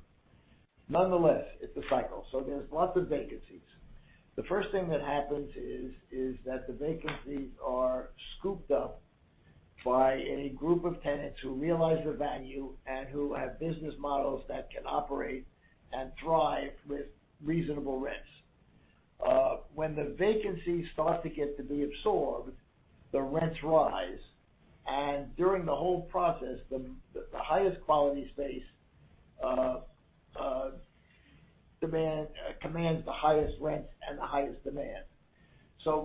Nonetheless, it's a cycle. There's lots of vacancies. The first thing that happens is that the vacancies are scooped up by a group of tenants who realize the value and who have business models that can operate and thrive with reasonable rents. When the vacancies start to get to be absorbed, the rents rise. During the whole process, the highest quality space commands the highest rent and the highest demand.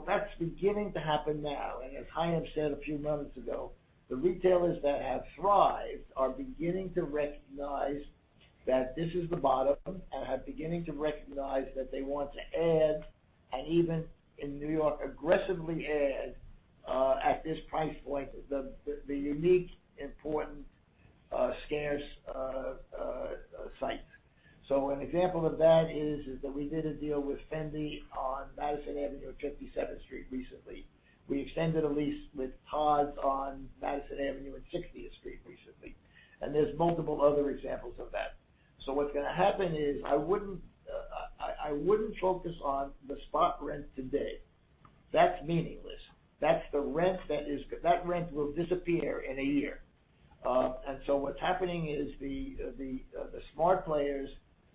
That's beginning to happen now. As Haim said a few moments ago, the retailers that have thrived are beginning to recognize that this is the bottom and are beginning to recognize that they want to add, and even in New York, aggressively add, at this price point, the unique, important, scarce site. An example of that is that we did a deal with Fendi on Madison Avenue and 57th Street recently. We extended a lease with Tod's on Madison Avenue and 60th Street recently, and there's multiple other examples of that. What's going to happen is I wouldn't focus on the spot rent today. That's meaningless. That rent will disappear in a year. What's happening is the smart players,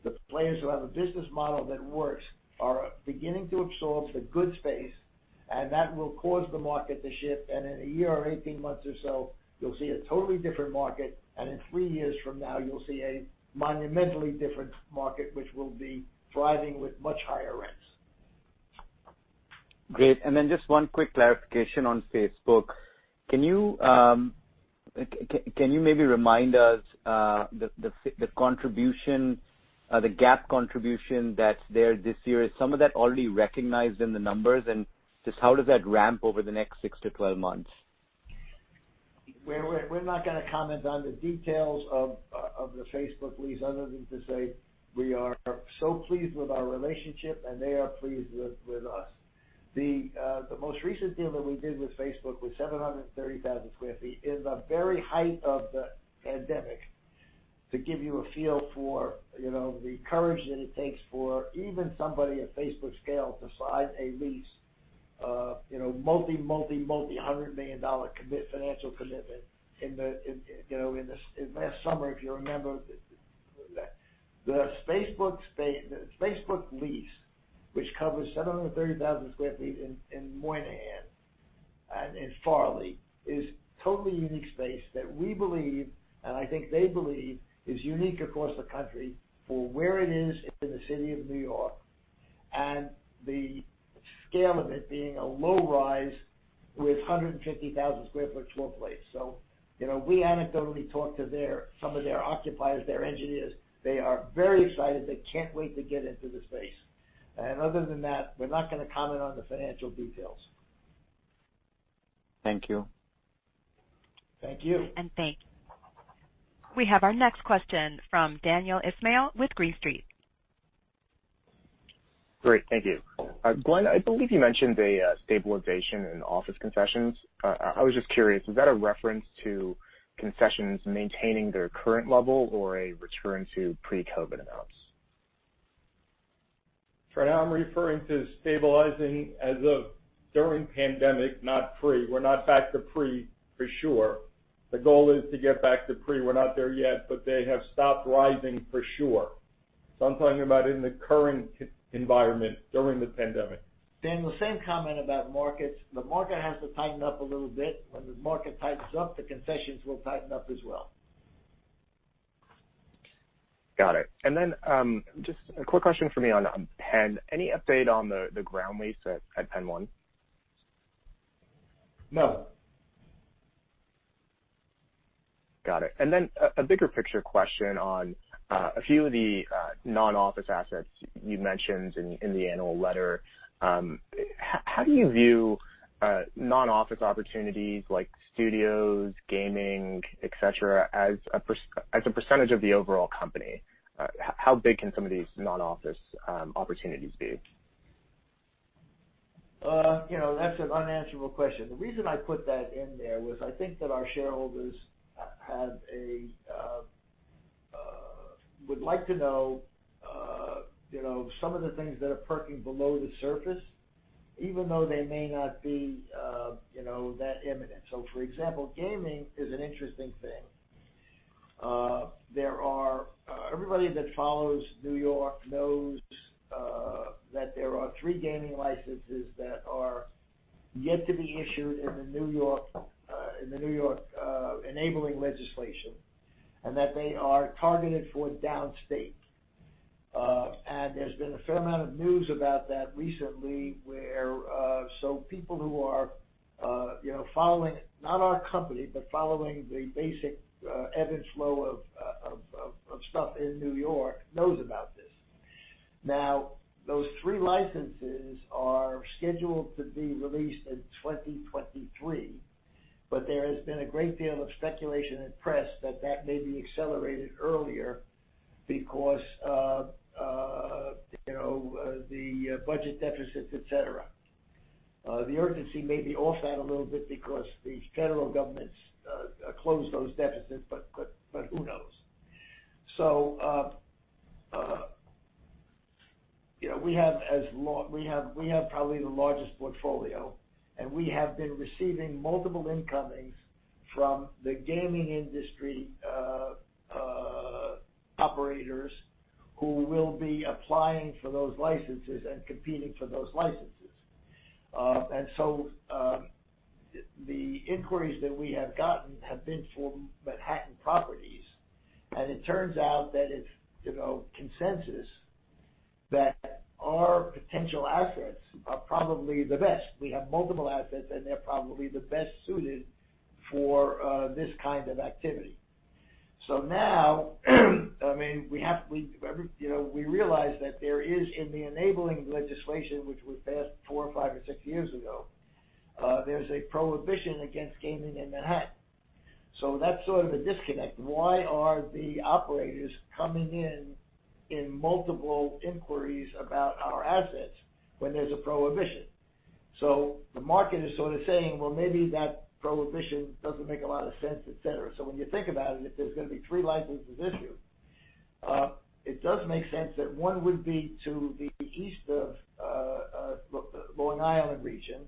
the players who have a business model that works, are beginning to absorb the good space, and that will cause the market to shift. In a year or 18 months or so, you'll see a totally different market, and in three years from now, you'll see a monumentally different market, which will be thriving with much higher rents. Great. Just one quick clarification on Facebook. Can you maybe remind us the GAAP contribution that's there this year? Is some of that already recognized in the numbers? Just how does that ramp over the next six to 12 months? We're not going to comment on the details of the Facebook lease other than to say we are so pleased with our relationship, and they are pleased with us. The most recent deal that we did with Facebook was 730,000 sq ft in the very height of the pandemic, to give you a feel for the courage that it takes for even somebody of Facebook scale to sign a lease, multi-$100 million financial commitment. Last summer, if you remember that. The Facebook lease, which covers 730,000 sq ft in Moynihan and in Farley, is totally unique space that we believe, and I think they believe, is unique across the country for where it is in the city of New York and the scale of it being a low rise with 150,000 sq ft floor plate. We anecdotally talk to some of their occupiers, their engineers. They are very excited. They can't wait to get into the space. Other than that, we're not going to comment on the financial details. Thank you. Thank you. Thank you. We have our next question from Daniel Ismail with Green Street. Great. Thank you. Glen, I believe you mentioned a stabilization in office concessions. I was just curious, is that a reference to concessions maintaining their current level or a return to pre-COVID amounts? Now I'm referring to stabilizing as of during pandemic, not pre. We're not back to pre for sure. The goal is to get back to pre. We're not there yet, but they have stopped rising for sure I'm talking about in the current environment during the pandemic. Daniel, same comment about markets. The market has to tighten up a little bit. When the market tightens up, the concessions will tighten up as well. Got it. Then just a quick question from me on Penn. Any update on the ground lease at PENN 1? No. Got it. A bigger picture question on a few of the non-office assets you mentioned in the annual letter. How do you view non-office opportunities like studios, gaming, et cetera, as a % of the overall company? How big can some of these non-office opportunities be? That's an unanswerable question. The reason I put that in there was I think that our shareholders would like to know some of the things that are perking below the surface, even though they may not be that imminent. For example, gaming is an interesting thing. Everybody that follows New York knows that there are three gaming licenses that are yet to be issued in the New York enabling legislation, and that they are targeted for downstate. There's been a fair amount of news about that recently where people who are following, not our company, but following the basic ebb and flow of stuff in New York, knows about this. Those three licenses are scheduled to be released in 2023, but there has been a great deal of speculation in press that that may be accelerated earlier because of the budget deficits, et cetera. The urgency may be off that a little bit because the federal government's closed those deficits, but who knows? We have probably the largest portfolio, and we have been receiving multiple incomings from the gaming industry operators who will be applying for those licenses and competing for those licenses. The inquiries that we have gotten have been for Manhattan properties, and it turns out that it's consensus that our potential assets are probably the best. We have multiple assets, and they're probably the best suited for this kind of activity. We realize that there is, in the enabling legislation, which was passed four or five or six years ago, there's a prohibition against gaming in Manhattan. That's sort of a disconnect. Why are the operators coming in in multiple inquiries about our assets when there's a prohibition? The market is sort of saying, maybe that prohibition doesn't make a lot of sense, et cetera. When you think about it, if there's going to be three licenses issued, it does make sense that one would be to the east of Long Island region,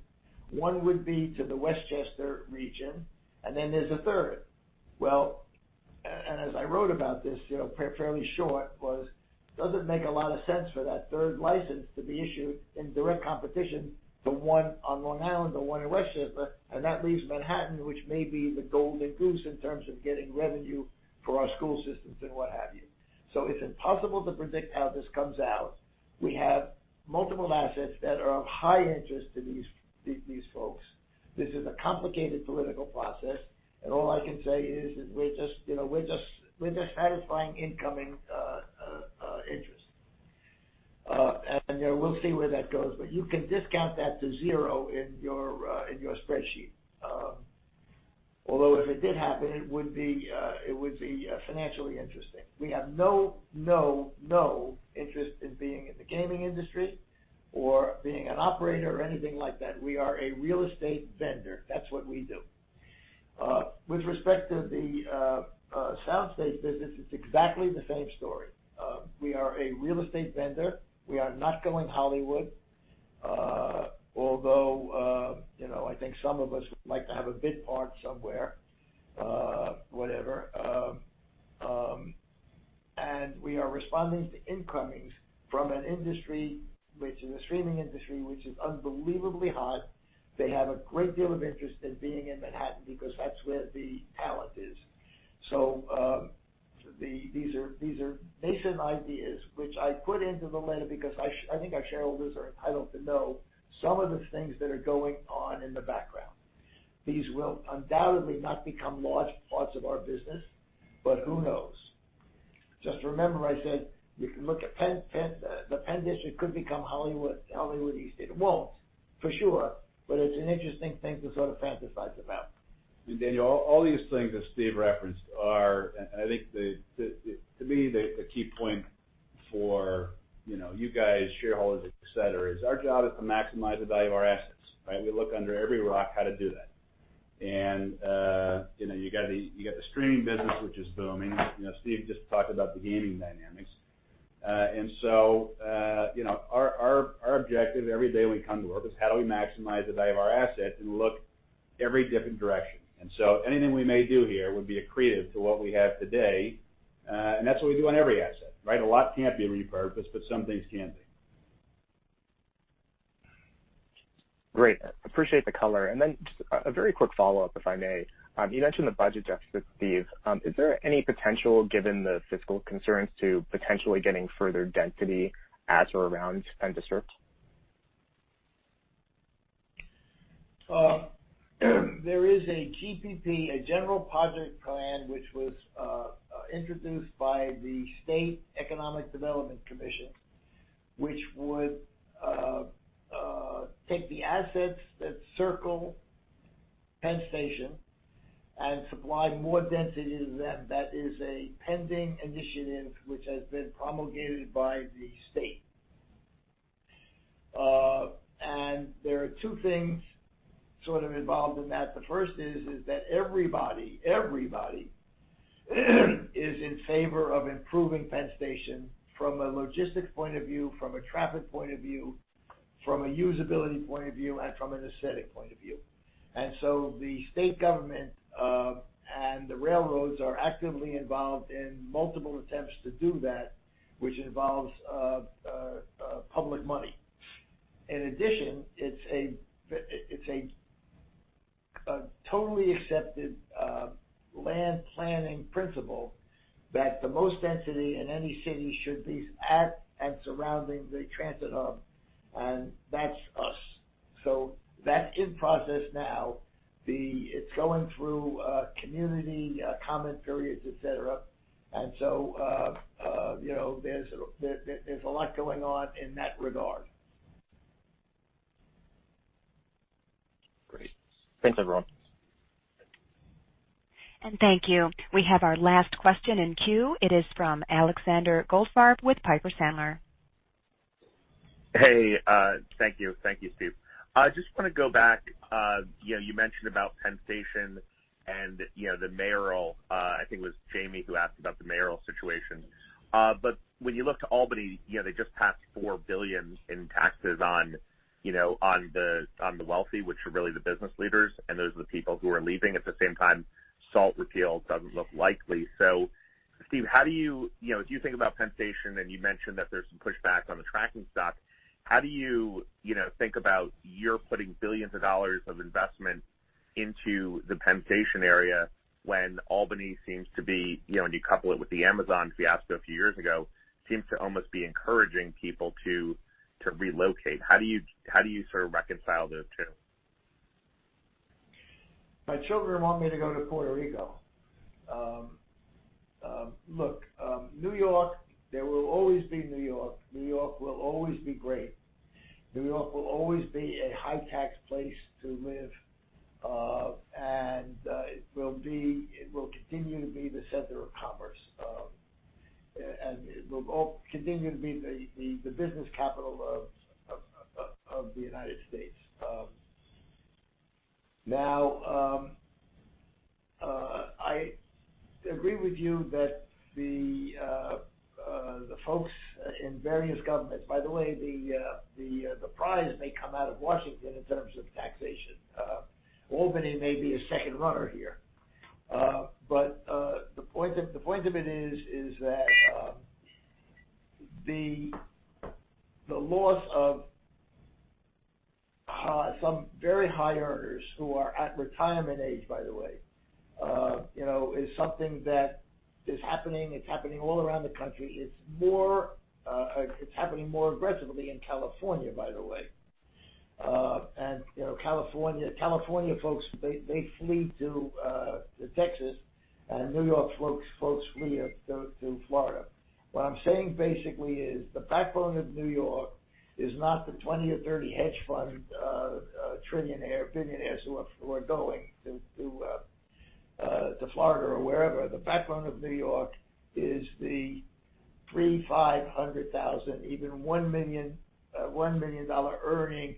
one would be to the Westchester region, and then there's a third. As I wrote about this, fairly short, doesn't make a lot of sense for that third license to be issued in direct competition to one on Long Island or one in Westchester, and that leaves Manhattan, which may be the golden goose in terms of getting revenue for our school systems and what have you. It's impossible to predict how this comes out. We have multiple assets that are of high interest to these folks. This is a complicated political process, and all I can say is that we're just satisfying incoming interest. We'll see where that goes. You can discount that to zero in your spreadsheet. Although if it did happen, it would be financially interesting. We have no interest in being in the gaming industry or being an operator or anything like that. We are a real estate vendor. That's what we do. With respect to the soundstage business, it's exactly the same story. We are a real estate vendor. We are not going Hollywood, although, I think some of us would like to have a bit part somewhere, whatever. We are responding to incomings from an industry, which is a streaming industry, which is unbelievably hot. They have a great deal of interest in being in Manhattan because that's where the talent is. These are nascent ideas, which I put into the letter because I think our shareholders are entitled to know some of the things that are going on in the background. These will undoubtedly not become large parts of our business, but who knows? Just remember I said, you can look at Penn. The Penn District could become Hollywood East. It won't, for sure, but it's an interesting thing to sort of fantasize about. Daniel, all these things that Steve referenced are, and I think to me, the key point for you guys, shareholders, et cetera, is our job is to maximize the value of our assets, right? We look under every rock how to do that. You got the streaming business, which is booming. Steve just talked about the gaming dynamics. Our objective every day when we come to work is how do we maximize the value of our assets. Every different direction. Anything we may do here would be accretive to what we have today, and that's what we do on every asset, right? A lot can't be repurposed, some things can be. Great. Appreciate the color. Just a very quick follow-up, if I may. You mentioned the budget deficit, Steve. Is there any potential, given the fiscal concerns, to potentially getting further density at or around Penn District? There is a GPP, a General Project Plan, which was introduced by the Empire State Development Corporation, which would take the assets that circle Penn Station and supply more density to them. That is a pending initiative which has been promulgated by the state. There are two things sort of involved in that. The first is that everybody is in favor of improving Penn Station from a logistics point of view, from a traffic point of view, from a usability point of view, and from an aesthetic point of view. The state government and the railroads are actively involved in multiple attempts to do that, which involves public money. In addition, it's a totally accepted land planning principle that the most density in any city should be at and surrounding the transit hub, and that's us. That's in process now. It's going through community comment periods, et cetera. There's a lot going on in that regard. Great. Thanks, everyone. Thank you. We have our last question in queue. It is from Alexander Goldfarb with Piper Sandler. Hey. Thank you, Steve. I just want to go back. You mentioned about Penn Station and the mayoral, I think it was Jamie Feldman who asked about the mayoral situation. When you look to Albany, they just passed $4 billion in taxes on the wealthy, which are really the business leaders, and those are the people who are leaving. At the same time, SALT repeal doesn't look likely. Steve, as you think about Penn Station, and you mentioned that there's some pushback on the tracking stock, how do you think about your putting billions of dollars of investment into the Penn Station area when Albany seems to be, and you couple it with the Amazon fiasco a few years ago, seems to almost be encouraging people to relocate. How do you sort of reconcile those two? My children want me to go to Puerto Rico. Look, New York, there will always be New York. New York will always be great. New York will always be a high-tax place to live. It will continue to be the center of commerce, and it will continue to be the business capital of the United States. Now, I agree with you that the folks in various governments By the way, the prize may come out of Washington in terms of taxation. Albany may be a second runner here. The point of it is that the loss of some very high earners who are at retirement age, by the way, is something that is happening. It's happening all around the country. It's happening more aggressively in California, by the way. California folks, they flee to Texas, and New York folks flee to Florida. What I'm saying basically is the backbone of New York is not the 20 or 30 hedge fund trillionaires, billionaires who are going to Florida or wherever. The backbone of New York is the three, $500,000, even $1 million earning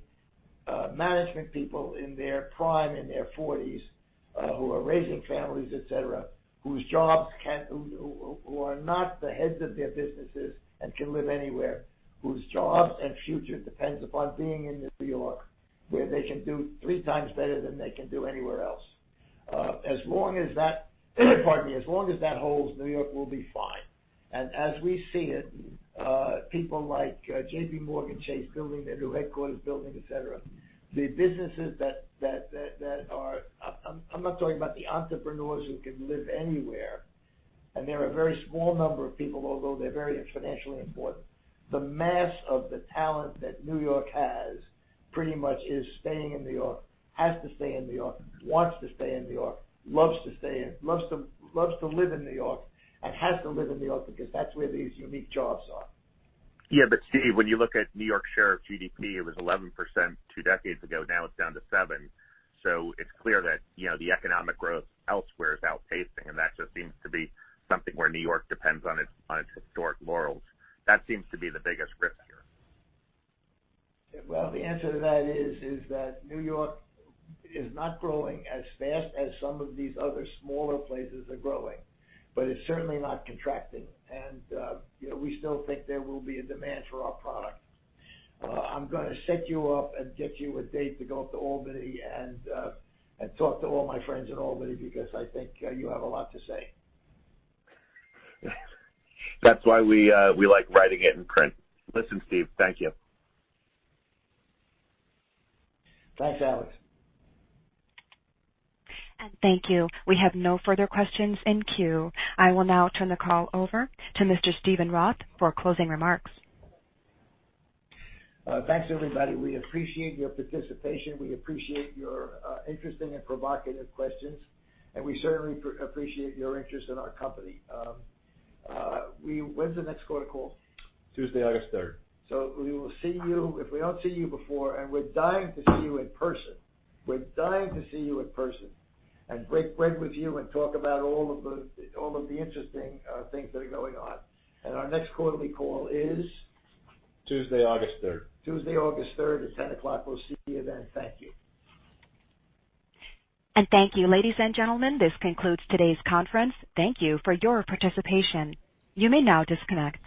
management people in their prime, in their 40s, who are raising families, et cetera, who are not the heads of their businesses and can live anywhere, whose jobs and future depends upon being in New York, where they can do three times better than they can do anywhere else. As long as that holds, New York will be fine. As we see it, people like JPMorgan Chase building their new headquarters, building et cetera. The businesses I'm not talking about the entrepreneurs who can live anywhere, and they're a very small number of people, although they're very financially important. The mass of the talent that New York has pretty much is staying in New York, has to stay in New York, wants to stay in New York, loves to live in New York, and has to live in New York because that's where these unique jobs are. Yeah, Steve, when you look at New York's share of GDP, it was 11% two decades ago. Now it's down to seven, it's clear that the economic growth elsewhere is outpacing, that just seems to be something where New York depends on its historic laurels. That seems to be the biggest risk here. Well, the answer to that is that New York is not growing as fast as some of these other smaller places are growing, but it's certainly not contracting. We still think there will be a demand for our product. I'm going to set you up and get you a date to go up to Albany and talk to all my friends at Albany because I think you have a lot to say. That's why we like writing it in print. Listen, Steve. Thank you. Thanks, Alex. Thank you. We have no further questions in queue. I will now turn the call over to Mr. Steven Roth for closing remarks. Thanks, everybody. We appreciate your participation. We appreciate your interesting and provocative questions. We certainly appreciate your interest in our company. When's the next quarterly call? Tuesday, August 3rd. We will see you, if we don't see you before, and we're dying to see you in person. We're dying to see you in person and break bread with you and talk about all of the interesting things that are going on. Our next quarterly call is? Tuesday, August 3rd. Tuesday, August 3rd at 10:00 A.M. We'll see you then. Thank you. Thank you, ladies and gentlemen. This concludes today's conference. Thank you for your participation. You may now disconnect.